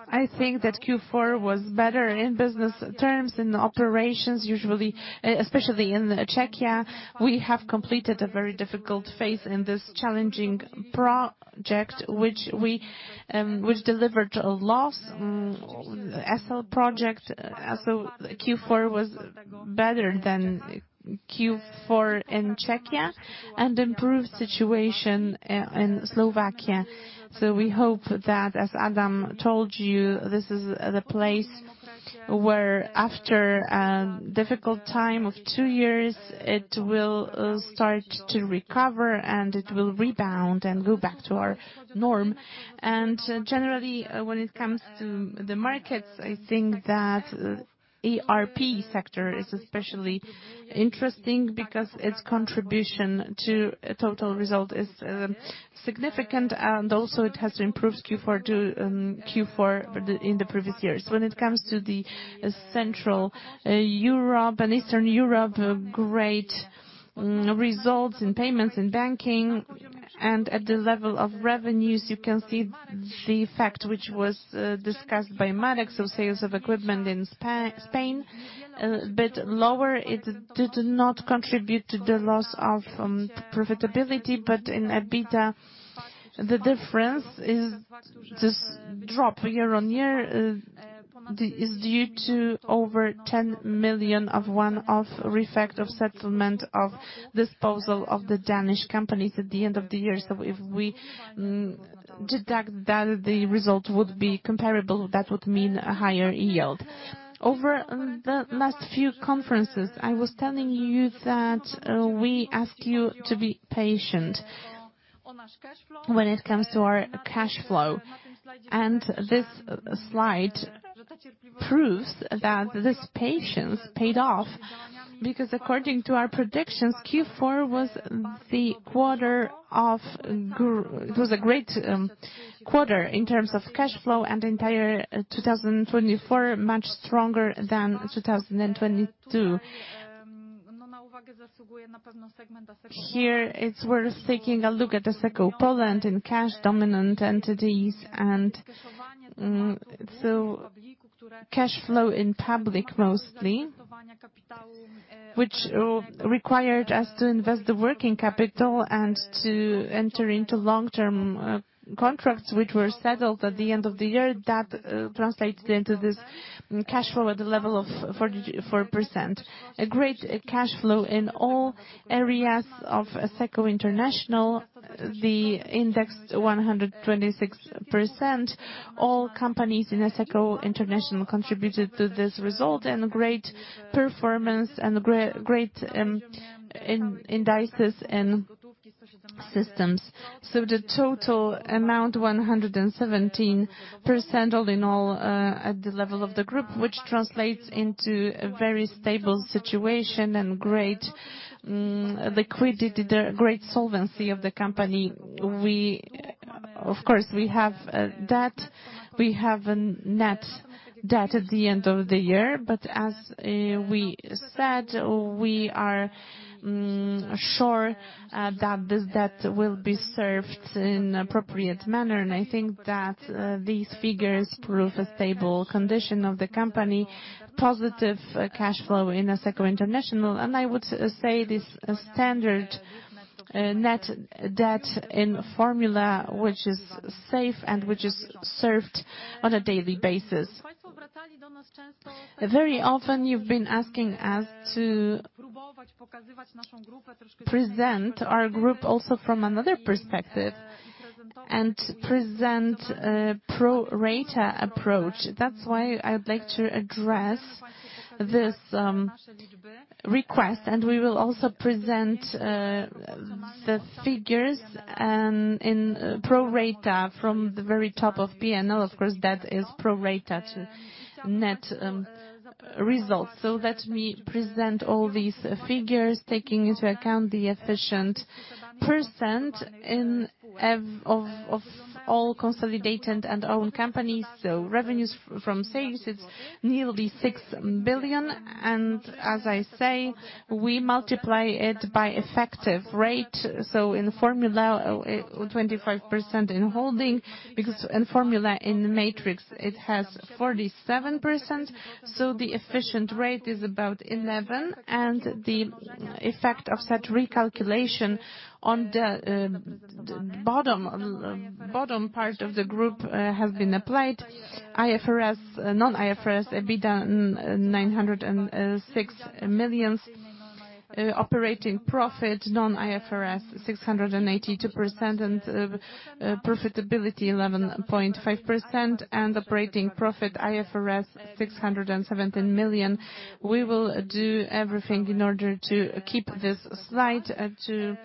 I think that Q4 was better in business terms, in operations, especially in Czechia. We have completed a very difficult phase in this challenging project, which delivered loss, SL project. So Q4 was better than Q4 in Czechia and improved situation in Slovakia. So we hope that, as Adam told you, this is the place where, after a difficult time of two years, it will start to recover, and it will rebound and go back to our norm. And generally, when it comes to the markets, I think that the ERP sector is especially interesting because its contribution to total result is significant, and also, it has improved Q4 in the previous years. When it comes to Central Europe and Eastern Europe, great results in payments and banking, and at the level of revenues, you can see the effect, which was discussed by Marek. So sales of equipment in Spain, a bit lower. It did not contribute to the loss of profitability, but in EBITDA, the difference is this drop year-on-year is due to over 10 million of one-off effect of settlement of disposal of the Danish companies at the end of the year. So if we deduct that, the result would be comparable. That would mean a higher yield. Over the last few conferences, I was telling you that we ask you to be patient when it comes to our cash flow, and this slide proves that this patience paid off because, according to our predictions, Q4 was a great quarter in terms of cash flow and entire 2024, much stronger than 2022. Here, it's worth taking a look at Asseco Poland in cash dominant entities and cash flow in public mostly, which required us to invest the working capital and to enter into long-term contracts, which were settled at the end of the year. That translated into this cash flow at the level of 4%. A great cash flow in all areas of Asseco International, the indexed 126%. All companies in Asseco International contributed to this result and great performance and great indices and systems. So the total amount, 117% all in all at the level of the group, which translates into a very stable situation and great liquidity, great solvency of the company. Of course, we have debt. We have net debt at the end of the year, but as we said, we are sure that this debt will be served in an appropriate manner, and I think that these figures prove a stable condition of the company, positive cash flow in Asseco International. I would say this standard net debt in Formula, which is safe and which is served on a daily basis. Very often, you've been asking us to present our group also from another perspective and present a pro-rata approach. That's why I'd like to address this request, and we will also present the figures in pro-rata from the very top of P&L. Of course, that is pro-rata to net results. Let me present all these figures, taking into account the effective percent of all consolidated and owned companies. So revenues from sales, it's nearly 6 billion, and as I say, we multiply it by effective rate. So in Formula, 25% in holding because in Formula, in Matrix, it has 47%. So the efficient rate is about 11%, and the effect of such recalculation on the bottom part of the group has been applied. IFRS, non-IFRS, EBITDA 906 million, operating profit, non-IFRS 682 million, and profitability 11.5%, and operating profit IFRS 617 million. We will do everything in order to keep this slide to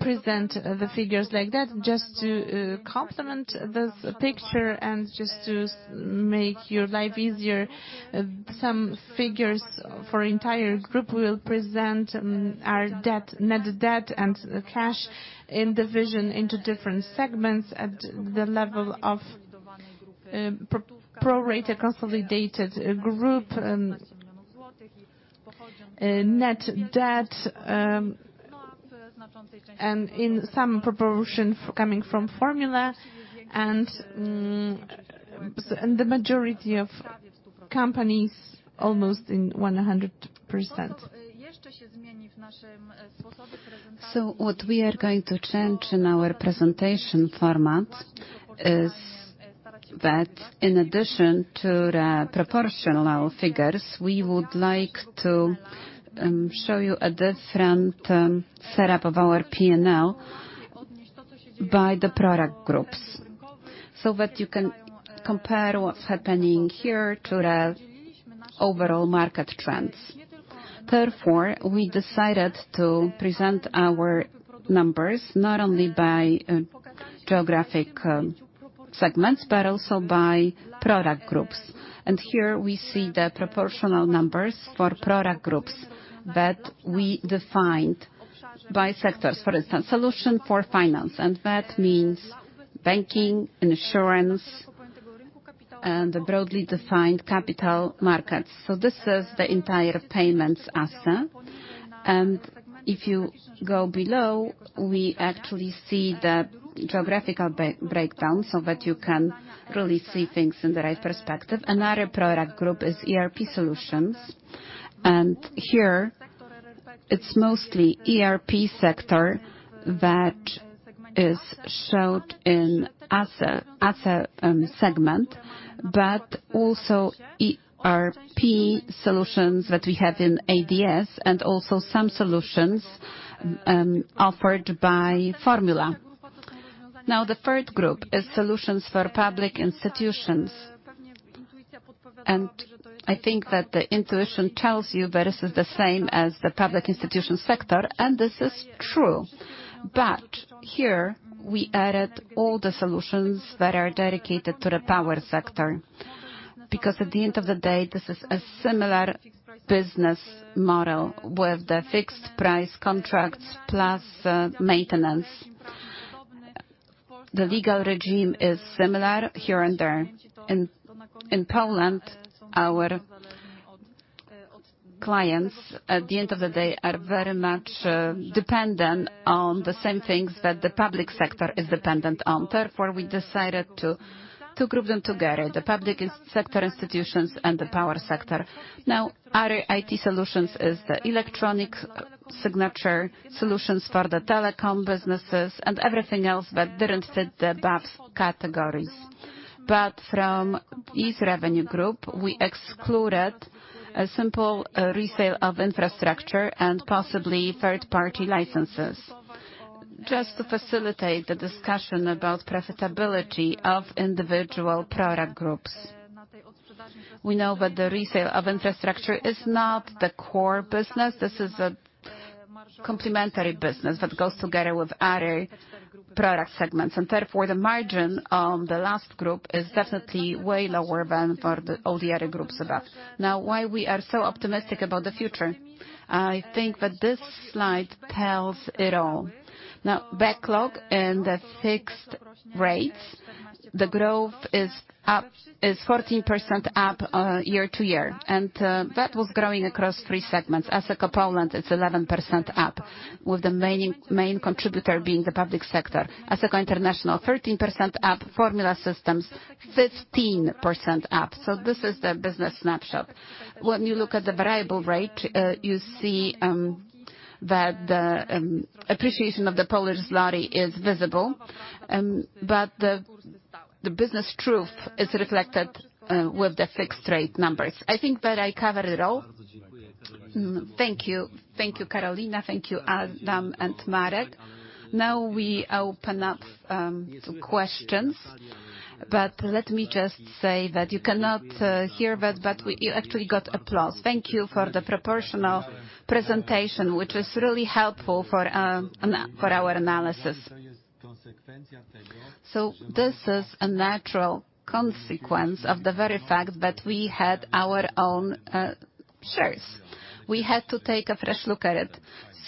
present the figures like that, just to complement this picture and just to make your life easier. Some figures for entire group. We will present our net debt and cash in division into different segments at the level of pro-rata consolidated group, net debt, and in some proportion coming from Formula, and the majority of companies, almost 100%. So what we are going to change in our presentation format is that, in addition to the proportional figures, we would like to show you a different setup of our P&L by the product groups so that you can compare what's happening here to the overall market trends. Therefore, we decided to present our numbers not only by geographic segments but also by product groups. And here, we see the proportional numbers for product groups that we defined by sectors. For instance, solution for finance, and that means banking, insurance, and broadly defined capital markets. So this is the entire payments asset. And if you go below, we actually see the geographical breakdown so that you can really see things in the right perspective. Another product group is ERP solutions, and here, it's mostly ERP sector that is showed in Asseco segment but also ERP solutions that we have in ADS and also some solutions offered by Formula. Now, the third group is solutions for public institutions. I think that the intuition tells you that this is the same as the public institution sector, and this is true. But here, we added all the solutions that are dedicated to the power sector because, at the end of the day, this is a similar business model with the fixed price contracts plus maintenance. The legal regime is similar here and there. In Poland, our clients, at the end of the day, are very much dependent on the same things that the public sector is dependent on. Therefore, we decided to group them together, the public sector institutions and the power sector. Now, other IT solutions are the electronic signature solutions for the telecom businesses and everything else that didn't fit the banks categories. But from this revenue group, we excluded a simple resale of infrastructure and possibly third-party licenses just to facilitate the discussion about profitability of individual product groups. We know that the resale of infrastructure is not the core business. This is a complementary business that goes together with other product segments, and therefore, the margin on the last group is definitely way lower than for all the other groups above. Now, why are we so optimistic about the future? I think that this slide tells it all. Now, backlog and the fixed rates, the growth is 14% up year-over-year, and that was growing across three segments. Asseco Poland, it's 11% up with the main contributor being the public sector. Asseco International, 13% up. Formula Systems, 15% up. So this is the business snapshot. When you look at the variable rate, you see that the appreciation of the Polish zloty is visible, but the business truth is reflected with the fixed rate numbers. I think that I covered it all. Thank you. Thank you, Karolina. Thank you, Adam and Marek. Now, we open up to questions, but let me just say that you cannot hear that, but you actually got applause. Thank you for the proportional presentation, which is really helpful for our analysis. So this is a natural consequence of the very fact that we had our own shares. We had to take a fresh look at it,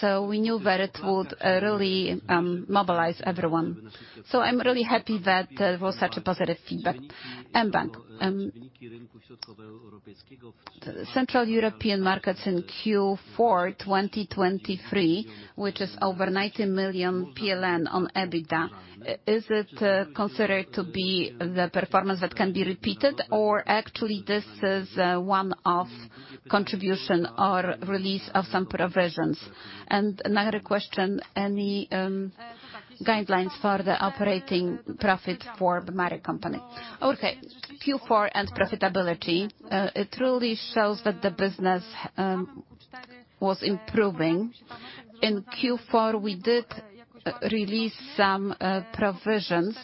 so we knew that it would really mobilize everyone. So I'm really happy that there was such a positive feedback. mBank. Central European markets in Q4 2023, which is over 90 million PLN on EBITDA, is it considered to be the performance that can be repeated, or actually, this is one-off contribution or release of some provisions? And another question, any guidelines for the operating profit for the mother company? Okay. Q4 and profitability. It truly shows that the business was improving. In Q4, we did release some provisions.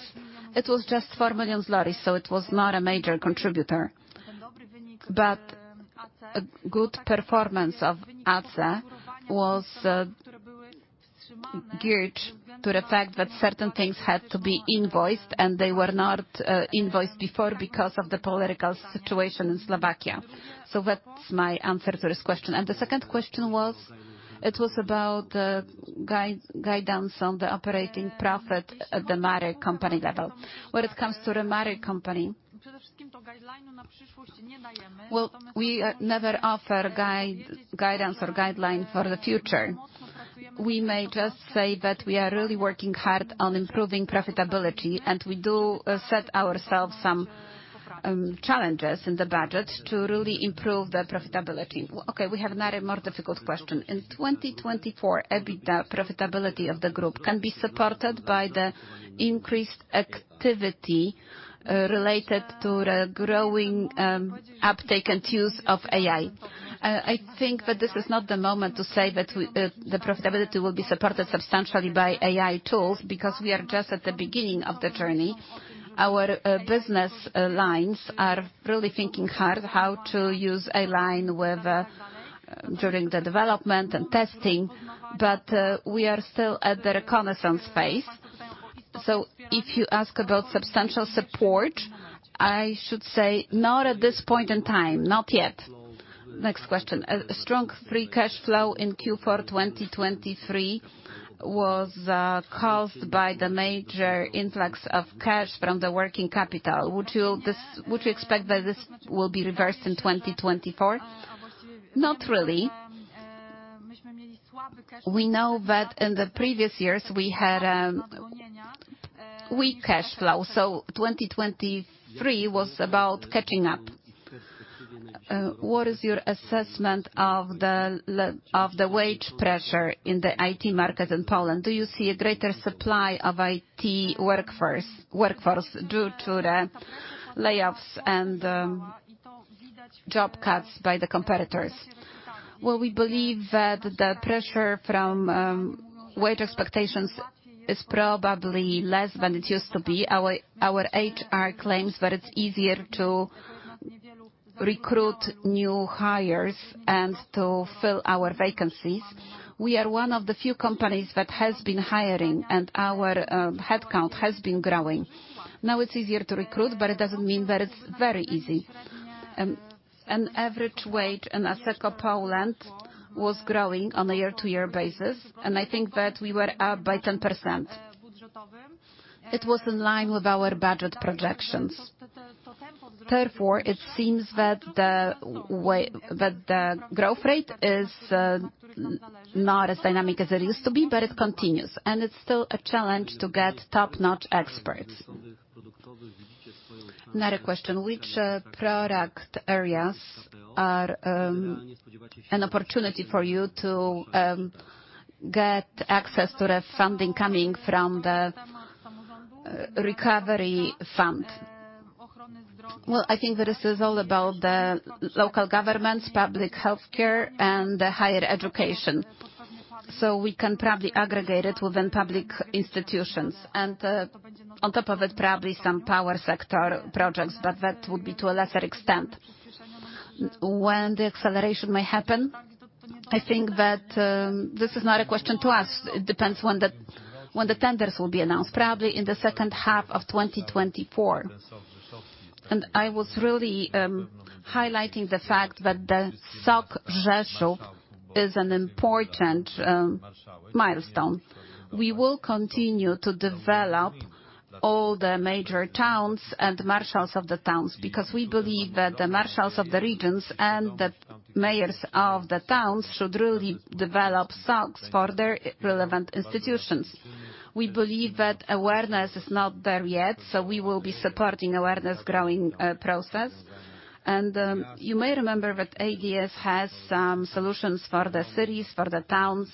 It was just 4 million, so it was not a major contributor, but a good performance of Asseco was geared to the fact that certain things had to be invoiced, and they were not invoiced before because of the political situation in Slovakia. So that's my answer to this question. And the second question was, it was about the guidance on the operating profit at the mother company level. When it comes to the mother company. Well, we never offer guidance or guideline for the future. We may just say that we are really working hard on improving profitability, and we do set ourselves some challenges in the budget to really improve the profitability. Okay. We have another more difficult question. In 2024, EBITDA, profitability of the group, can be supported by the increased activity related to the growing uptake and use of AI? I think that this is not the moment to say that the profitability will be supported substantially by AI tools because we are just at the beginning of the journey. Our business lines are really thinking hard how to use AI during the development and testing, but we are still at the reconnaissance phase. So if you ask about substantial support, I should say not at this point in time, not yet. Next question. A strong free cash flow in Q4 2023 was caused by the major influx of cash from the working capital. Would you expect that this will be reversed in 2024? Not really. We know that in the previous years, we had weak cash flow, so 2023 was about catching up. What is your assessment of the wage pressure in the IT market in Poland? Do you see a greater supply of IT workforce due to the layoffs and job cuts by the competitors? Well, we believe that the pressure from wage expectations is probably less than it used to be. Our HR claims that it's easier to recruit new hires and to fill our vacancies. We are one of the few companies that has been hiring, and our headcount has been growing. Now, it's easier to recruit, but it doesn't mean that it's very easy. An average wage in Asseco Poland was growing on a year-over-year basis, and I think that we were up by 10%. It was in line with our budget projections. Therefore, it seems that the growth rate is not as dynamic as it used to be, but it continues, and it's still a challenge to get top-notch experts. Another question. Which product areas are an opportunity for you to get access to the funding coming from the recovery fund? Well, I think that this is all about the local governments, public healthcare, and higher education, so we can probably aggregate it within public institutions. And on top of it, probably some power sector projects, but that would be to a lesser extent. When the acceleration may happen? I think that this is not a question to us. It depends when the tenders will be announced, probably in the second half of 2024. I was really highlighting the fact that the SOC Rzeszów is an important milestone. We will continue to develop all the major towns and marshals of the towns because we believe that the marshals of the regions and the mayors of the towns should really develop SOCs for their relevant institutions. We believe that awareness is not there yet, so we will be supporting awareness growing process. You may remember that ADS has some solutions for the cities, for the towns.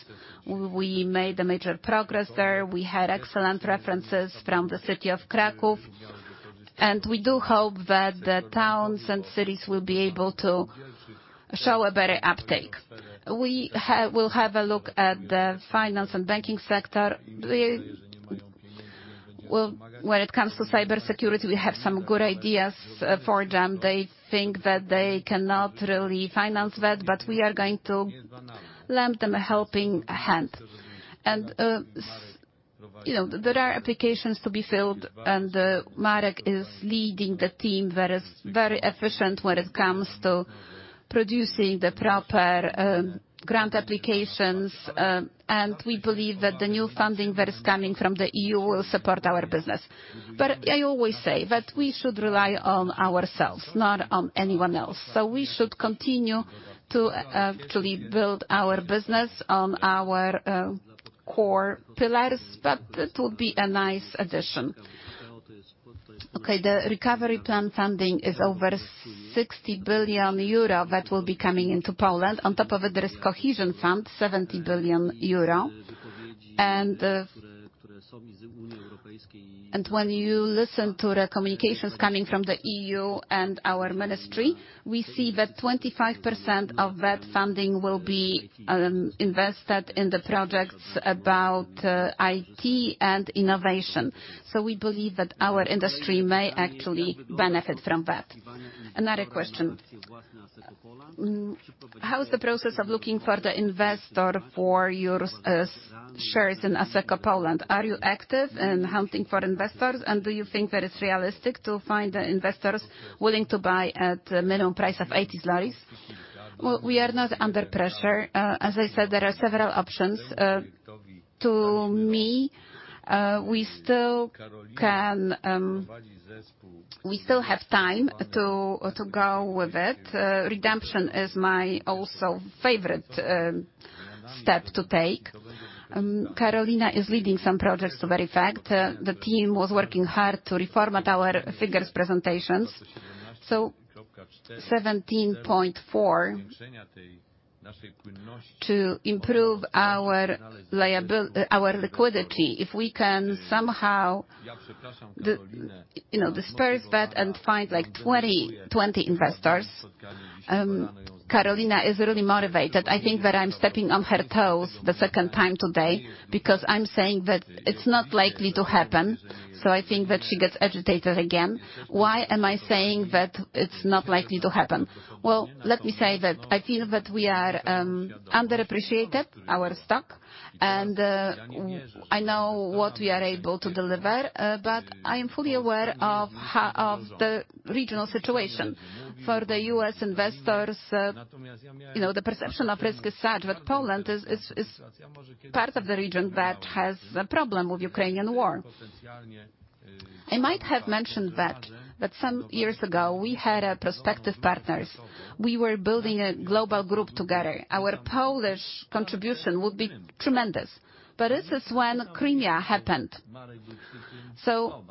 We made a major progress there. We had excellent references from the city of Kraków, and we do hope that the towns and cities will be able to show a better uptake. We will have a look at the finance and banking sector. When it comes to cybersecurity, we have some good ideas for them. They think that they cannot really finance that, but we are going to lend them a helping hand. And there are applications to be filled, and Marek is leading the team that is very efficient when it comes to producing the proper grant applications, and we believe that the new funding that is coming from the EU will support our business. But I always say that we should rely on ourselves, not on anyone else. So we should continue to actually build our business on our core pillars, but it would be a nice addition. Okay. The recovery plan funding is over 60 billion euro that will be coming into Poland. On top of it, there is cohesion fund, 70 billion euro. When you listen to the communications coming from the EU and our ministry, we see that 25% of that funding will be invested in the projects about IT and innovation. We believe that our industry may actually benefit from that. Another question. How is the process of looking for the investor for your shares in Asseco Poland? Are you active in hunting for investors, and do you think that it's realistic to find the investors willing to buy at the minimum price of 80 PLN? Well, we are not under pressure. As I said, there are several options. To me, we still have time to go with it. Redemption is my also favorite step to take. Karolina is leading some projects to that effect. The team was working hard to reformat our figures presentations, so 17.4 to improve our liquidity if we can somehow disperse that and find like 20 investors. Karolina is really motivated. I think that I'm stepping on her toes the second time today because I'm saying that it's not likely to happen, so I think that she gets agitated again. Why am I saying that it's not likely to happen? Well, let me say that I feel that we are underappreciated, our stock, and I know what we are able to deliver, but I am fully aware of the regional situation. For the U.S. investors, the perception of risk is such that Poland is part of the region that has a problem with the Ukrainian war. I might have mentioned that some years ago, we had prospective partners. We were building a global group together. Our Polish contribution would be tremendous, but this is when Crimea happened. So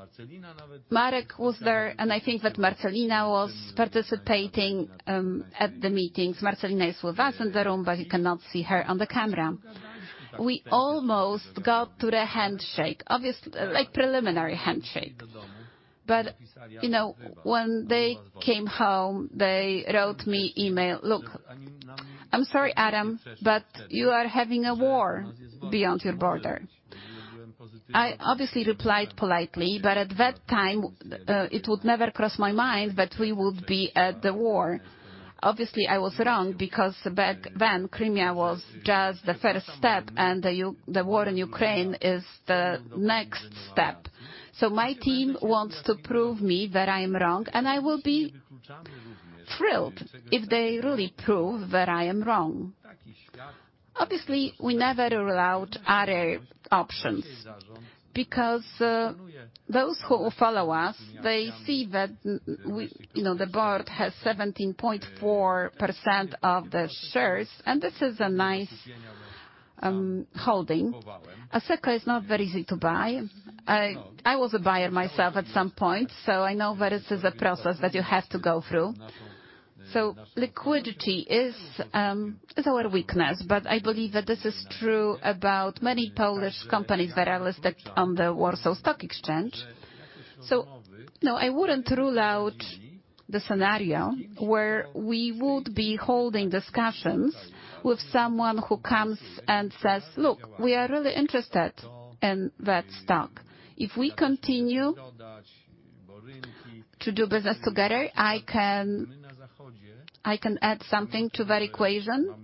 Marek was there, and I think that Marcelina was participating at the meetings. Marcelina is with us in the room, but you cannot see her on the camera. We almost got to the handshake, obviously, like preliminary handshake. But when they came home, they wrote me an email, "Look, I'm sorry, Adam, but you are having a war beyond your border." I obviously replied politely, but at that time, it would never cross my mind that we would be at the war. Obviously, I was wrong because back then, Crimea was just the first step, and the war in Ukraine is the next step. So my team wants to prove me that I am wrong, and I will be thrilled if they really prove that I am wrong. Obviously, we never rule out other options because those who follow us, they see that the board has 17.4% of the shares, and this is a nice holding. Asseco is not very easy to buy. I was a buyer myself at some point, so I know that this is a process that you have to go through. So liquidity is our weakness, but I believe that this is true about many Polish companies that are listed on the Warsaw Stock Exchange. So I wouldn't rule out the scenario where we would be holding discussions with someone who comes and says, "Look, we are really interested in that stock. If we continue to do business together, I can add something to that equation."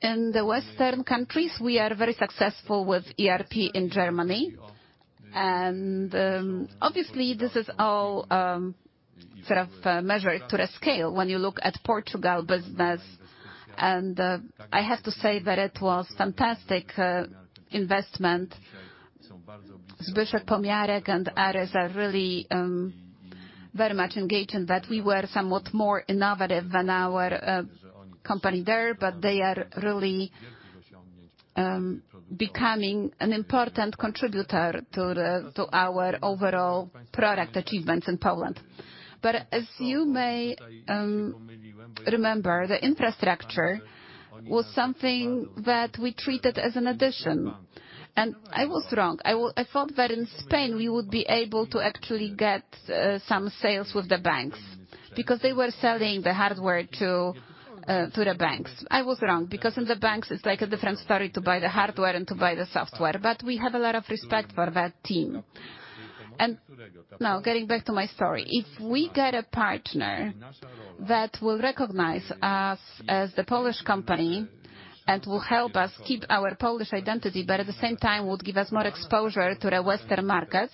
In the Western countries, we are very successful with ERP in Germany, and obviously, this is all sort of measured to the scale when you look at Portugal business. I have to say that it was a fantastic investment. Zbyszek Pomianek and Arek are really very much engaged in that. We were somewhat more innovative than our company there, but they are really becoming an important contributor to our overall product achievements in Poland. As you may remember, the infrastructure was something that we treated as an addition, and I was wrong. I thought that in Spain, we would be able to actually get some sales with the banks because they were selling the hardware to the banks. I was wrong because in the banks, it's like a different story to buy the hardware and to buy the software, but we have a lot of respect for that team. And now, getting back to my story, if we get a partner that will recognize us as the Polish company and will help us keep our Polish identity, but at the same time, would give us more exposure to the Western markets,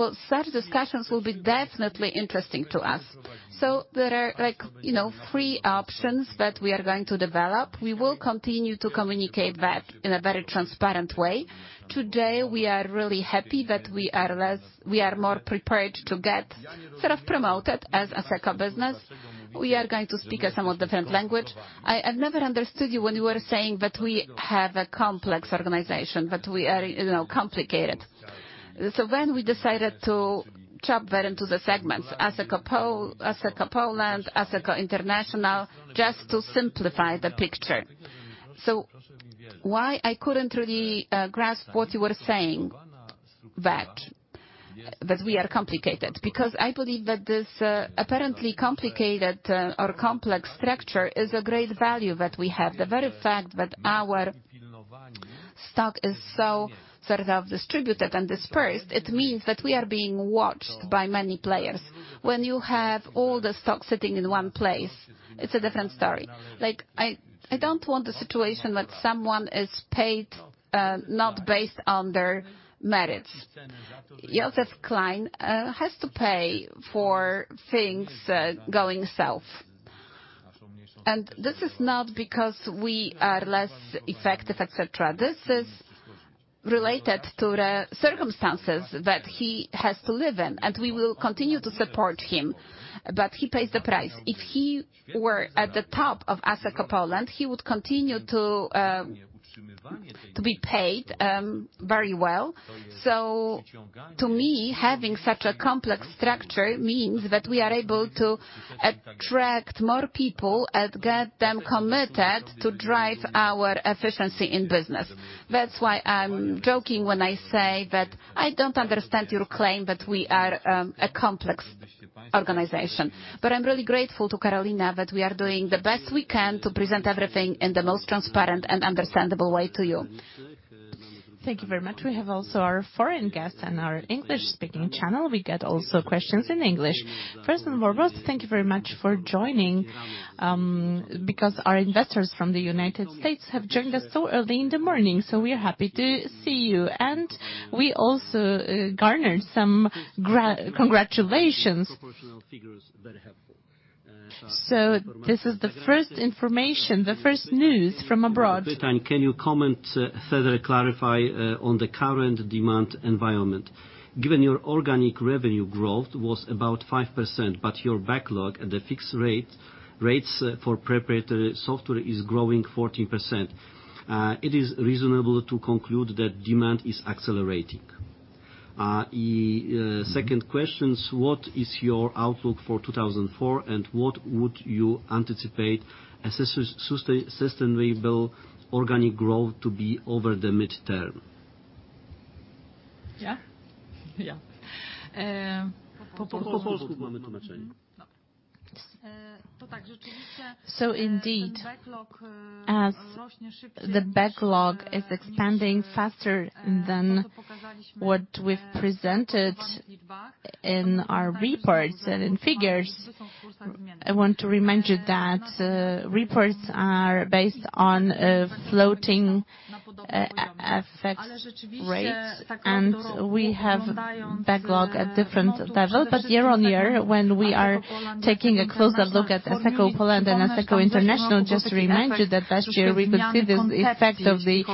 well, such discussions will be definitely interesting to us. So there are three options that we are going to develop. We will continue to communicate that in a very transparent way. Today, we are really happy that we are more prepared to get sort of promoted as Asseco business. We are going to speak a somewhat different language. I have never understood you when you were saying that we have a complex organization, that we are complicated. So then we decided to chop that into the segments, Asseco Poland, Asseco International, just to simplify the picture. So why I couldn't really grasp what you were saying that we are complicated? Because I believe that this apparently complicated or complex structure is a great value that we have. The very fact that our stock is so sort of distributed and dispersed, it means that we are being watched by many players. When you have all the stock sitting in one place, it's a different story. I don't want the situation that someone is paid not based on their merits. Jozef Klein has to pay for things going south, and this is not because we are less effective, etc. This is related to the circumstances that he has to live in, and we will continue to support him, but he pays the price. If he were at the top of Asseco Poland, he would continue to be paid very well. So to me, having such a complex structure means that we are able to attract more people and get them committed to drive our efficiency in business. That's why I'm joking when I say that I don't understand your claim that we are a complex organization, but I'm really grateful to Karolina that we are doing the best we can to present everything in the most transparent and understandable way to you. Thank you very much. We have also our foreign guests on our English-speaking channel. We get also questions in English. First and foremost, thank you very much for joining because our investors from the United States have joined us so early in the morning, so we are happy to see you. We also garnered some congratulations. So this is the first information, the first news from abroad. Can you comment, clarify on the current demand environment? Given your organic revenue growth was about 5%, but your backlog and the fixed rates for proprietary software is growing 14%, it is reasonable to conclude that demand is accelerating. Second question. What is your outlook for 2024, and what would you anticipate a sustainable organic growth to be over the mid-term? So indeed, the backlog is expanding faster than what we've presented in our reports and in figures. I want to remind you that reports are based on floating effects, and we have backlog at different levels. But year-on-year, when we are taking a closer look at Asseco Poland and Asseco International, just to remind you that last year, we could see this effect of the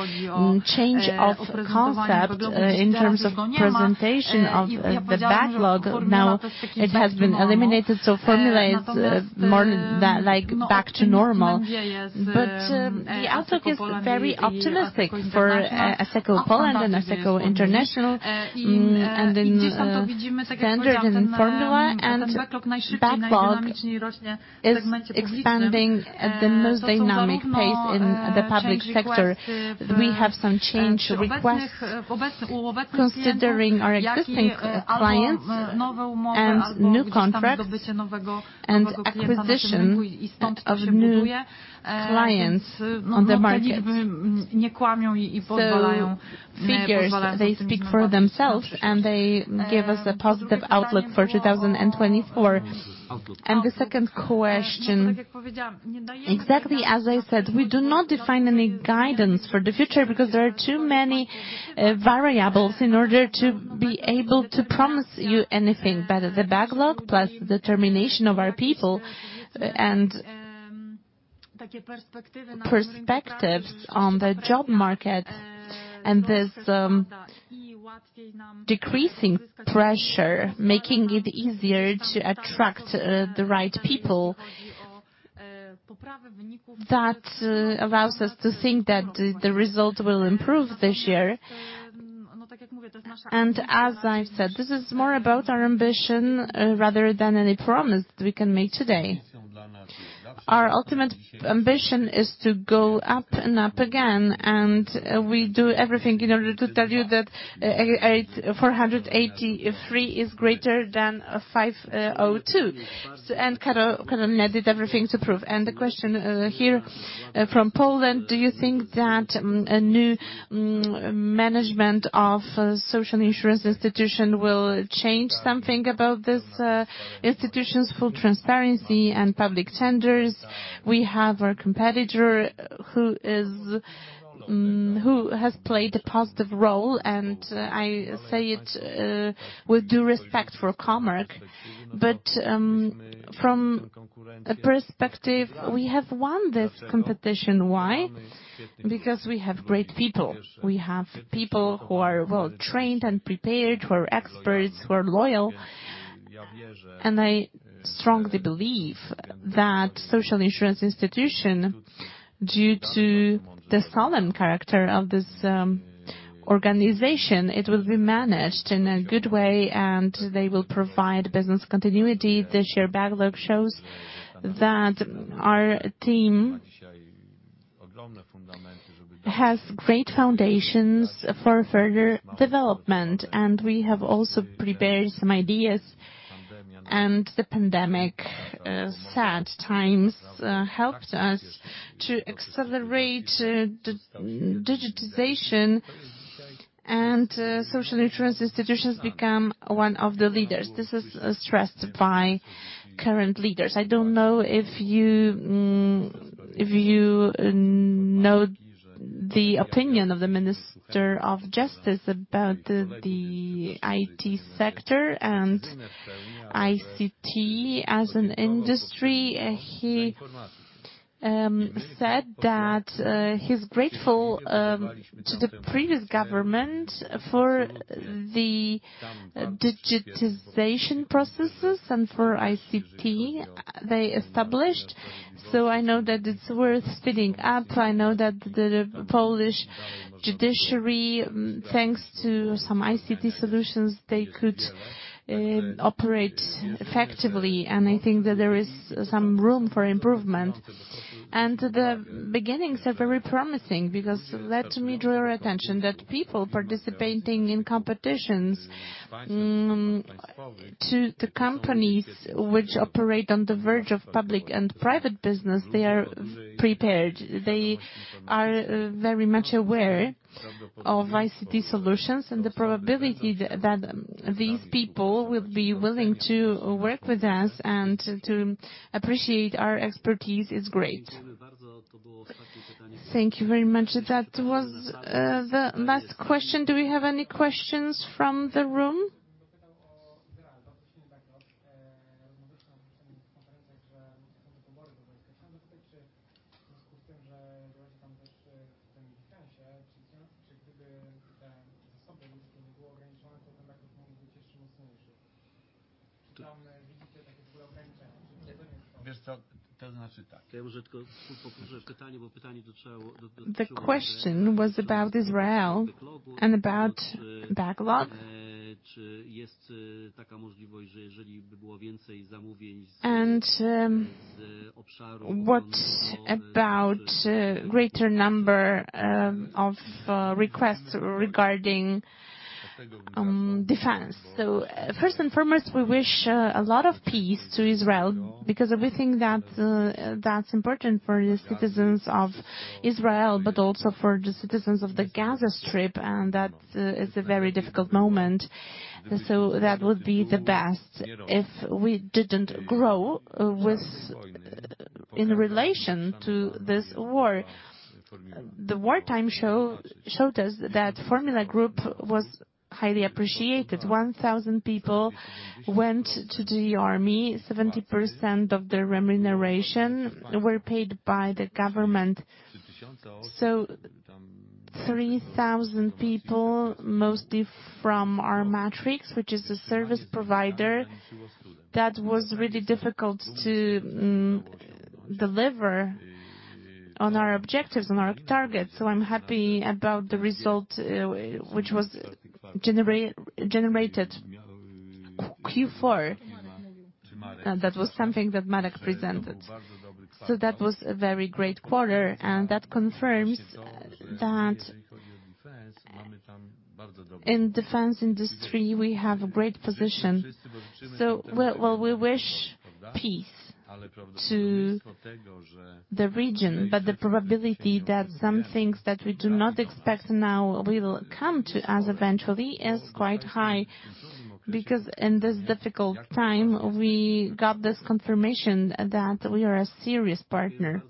change of concept in terms of presentation of the backlog. Now, it has been eliminated, so Formula is more like back to normal. But the outlook is very optimistic for Asseco Poland and Asseco International, and in Sapiens and Formula, and backlog is expanding at the most dynamic pace in the public sector. We have some change requests considering our existing clients and new contracts and acquisition of new clients on the market. So figures, they speak for themselves, and they give us a positive outlook for 2024. And the second question. Exactly as I said, we do not define any guidance for the future because there are too many variables in order to be able to promise you anything better. The backlog plus the determination of our people and perspectives on the job market and this decreasing pressure, making it easier to attract the right people, that allows us to think that the result will improve this year. As I've said, this is more about our ambition rather than any promise we can make today. Our ultimate ambition is to go up and up again, and we do everything in order to tell you that 483 is greater than 502 and kind of edit everything to prove. The question here from Poland, do you think that a new management of Social Insurance Institution will change something about this institution's full transparency and public tenders? We have our competitor who has played a positive role, and I say it with due respect for Comarch. From a perspective, we have won this competition. Why? Because we have great people. We have people who are, well, trained and prepared, who are experts, who are loyal. I strongly believe that social insurance institution, due to the solemn character of this organization, it will be managed in a good way, and they will provide business continuity. This year, backlog shows that our team has great foundations for further development, and we have also prepared some ideas. The pandemic, sad times, helped us to accelerate digitization, and social insurance institutions become one of the leaders. This is stressed by current leaders. I don't know if you know the opinion of the Minister of Justice about the IT sector and ICT as an industry. He said that he's grateful to the previous government for the digitization processes and for ICT they established. I know that it's worth speeding up. I know that the Polish judiciary, thanks to some ICT solutions, they could operate effectively, and I think that there is some room for improvement. And the beginnings are very promising because let me draw your attention that people participating in competitions to the companies which operate on the verge of public and private business, they are prepared. They are very much aware of ICT solutions, and the probability that these people will be willing to work with us and to appreciate our expertise is great. Thank you very much. That was the last question. Do we have any questions from the room? W związku z tym, że działacie tam też w tym defense, czy gdyby te zasoby ludzkie nie były ograniczone, to ten backlog mógł być jeszcze mocniejszy? Czy tam widzicie takie w ogóle ograniczenia? Czy to nie jest problem? Wiesz co, to znaczy tak. To ja może tylko powtórzę pytanie, bo pytanie dotyczyło backlogu. Czy jest taka możliwość, że jeżeli by było więcej zamówień z obszaru defense? First and foremost, we wish a lot of peace to Israel because we think that that's important for the citizens of Israel, but also for the citizens of the Gaza Strip, and that is a very difficult moment. So that would be the best if we didn't grow in relation to this war. The wartime showed us that Formula Systems was highly appreciated. 1,000 people went to the army. 70% of their remuneration were paid by the government. So 3,000 people, mostly from our Matrix, which is a service provider, that was really difficult to deliver on our objectives, on our targets. So I'm happy about the result which was generated Q4. That was something that Marek presented. So that was a very great quarter, and that confirms that in the defense industry, we have a great position. So well, we wish peace to the region, but the probability that some things that we do not expect now will come to us eventually is quite high because in this difficult time, we got this confirmation that we are a serious partner.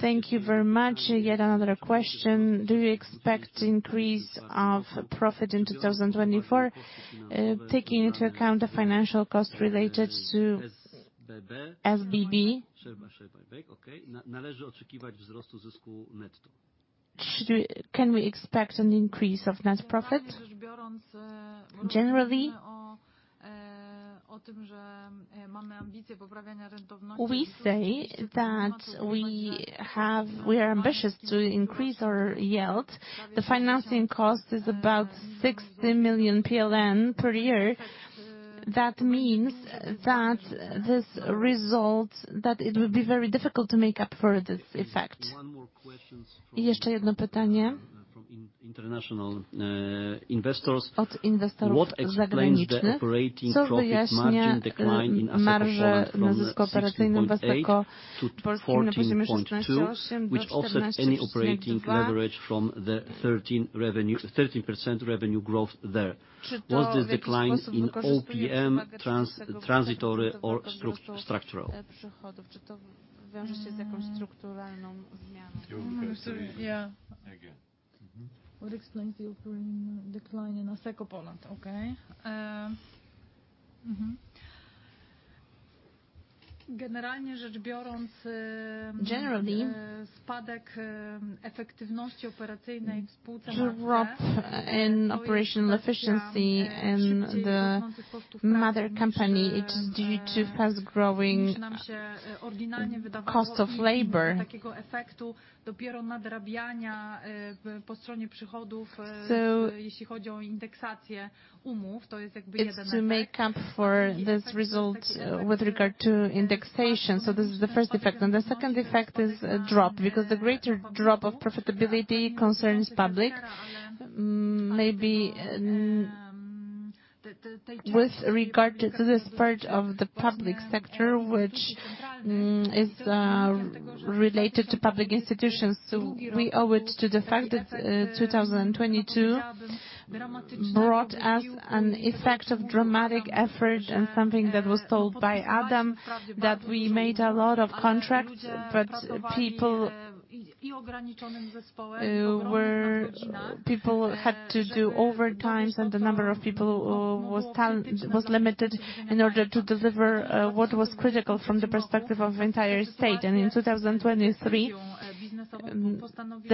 Thank you very much. Yet another question. Do you expect increase of profit in 2024, taking into account the financial costs related to share buyback? Can we expect an increase of net profit? We say that we are ambitious to increase our yield. The financing cost is about 60 million PLN per year. That means that it will be very difficult to make up for this effect. Jeszcze jedno pytanie. What explains the operating profit margin decline in Asseco Poland?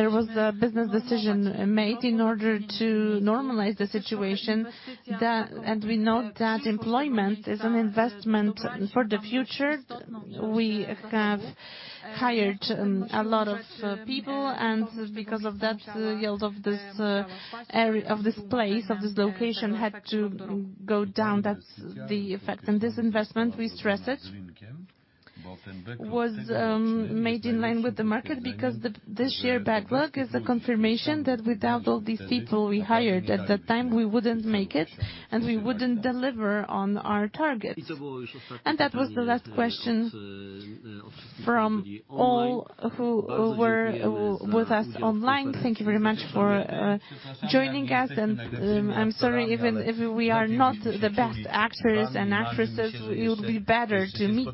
Made in order to normalize the situation, and we know that employment is an investment for the future. We have hired a lot of people, and because of that, the yield of this place, of this location, had to go down. That's the effect. This investment, we stress it, was made in line with the market because this year backlog is a confirmation that without all these people we hired at that time, we wouldn't make it, and we wouldn't deliver on our targets. That was the last question from all who were with us online. Thank you very much for joining us, and I'm sorry. Even if we are not the best actors and actresses, it would be better to meet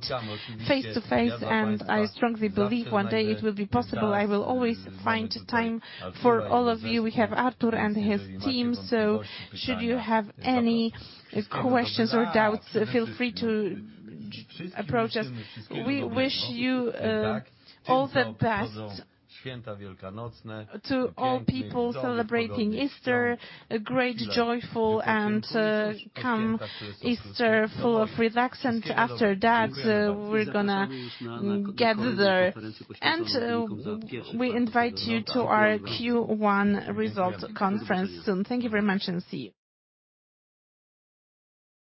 face to face, and I strongly believe one day it will be possible. I will always find time for all of you. We have Artur and his team, so should you have any questions or doubts, feel free to approach us. We wish you all the best to all people celebrating Easter. A great, joyful, and calm Easter full of relaxation. After that, we're going to gather, and we invite you to our Q1 results conference soon. Thank you very much, and see you.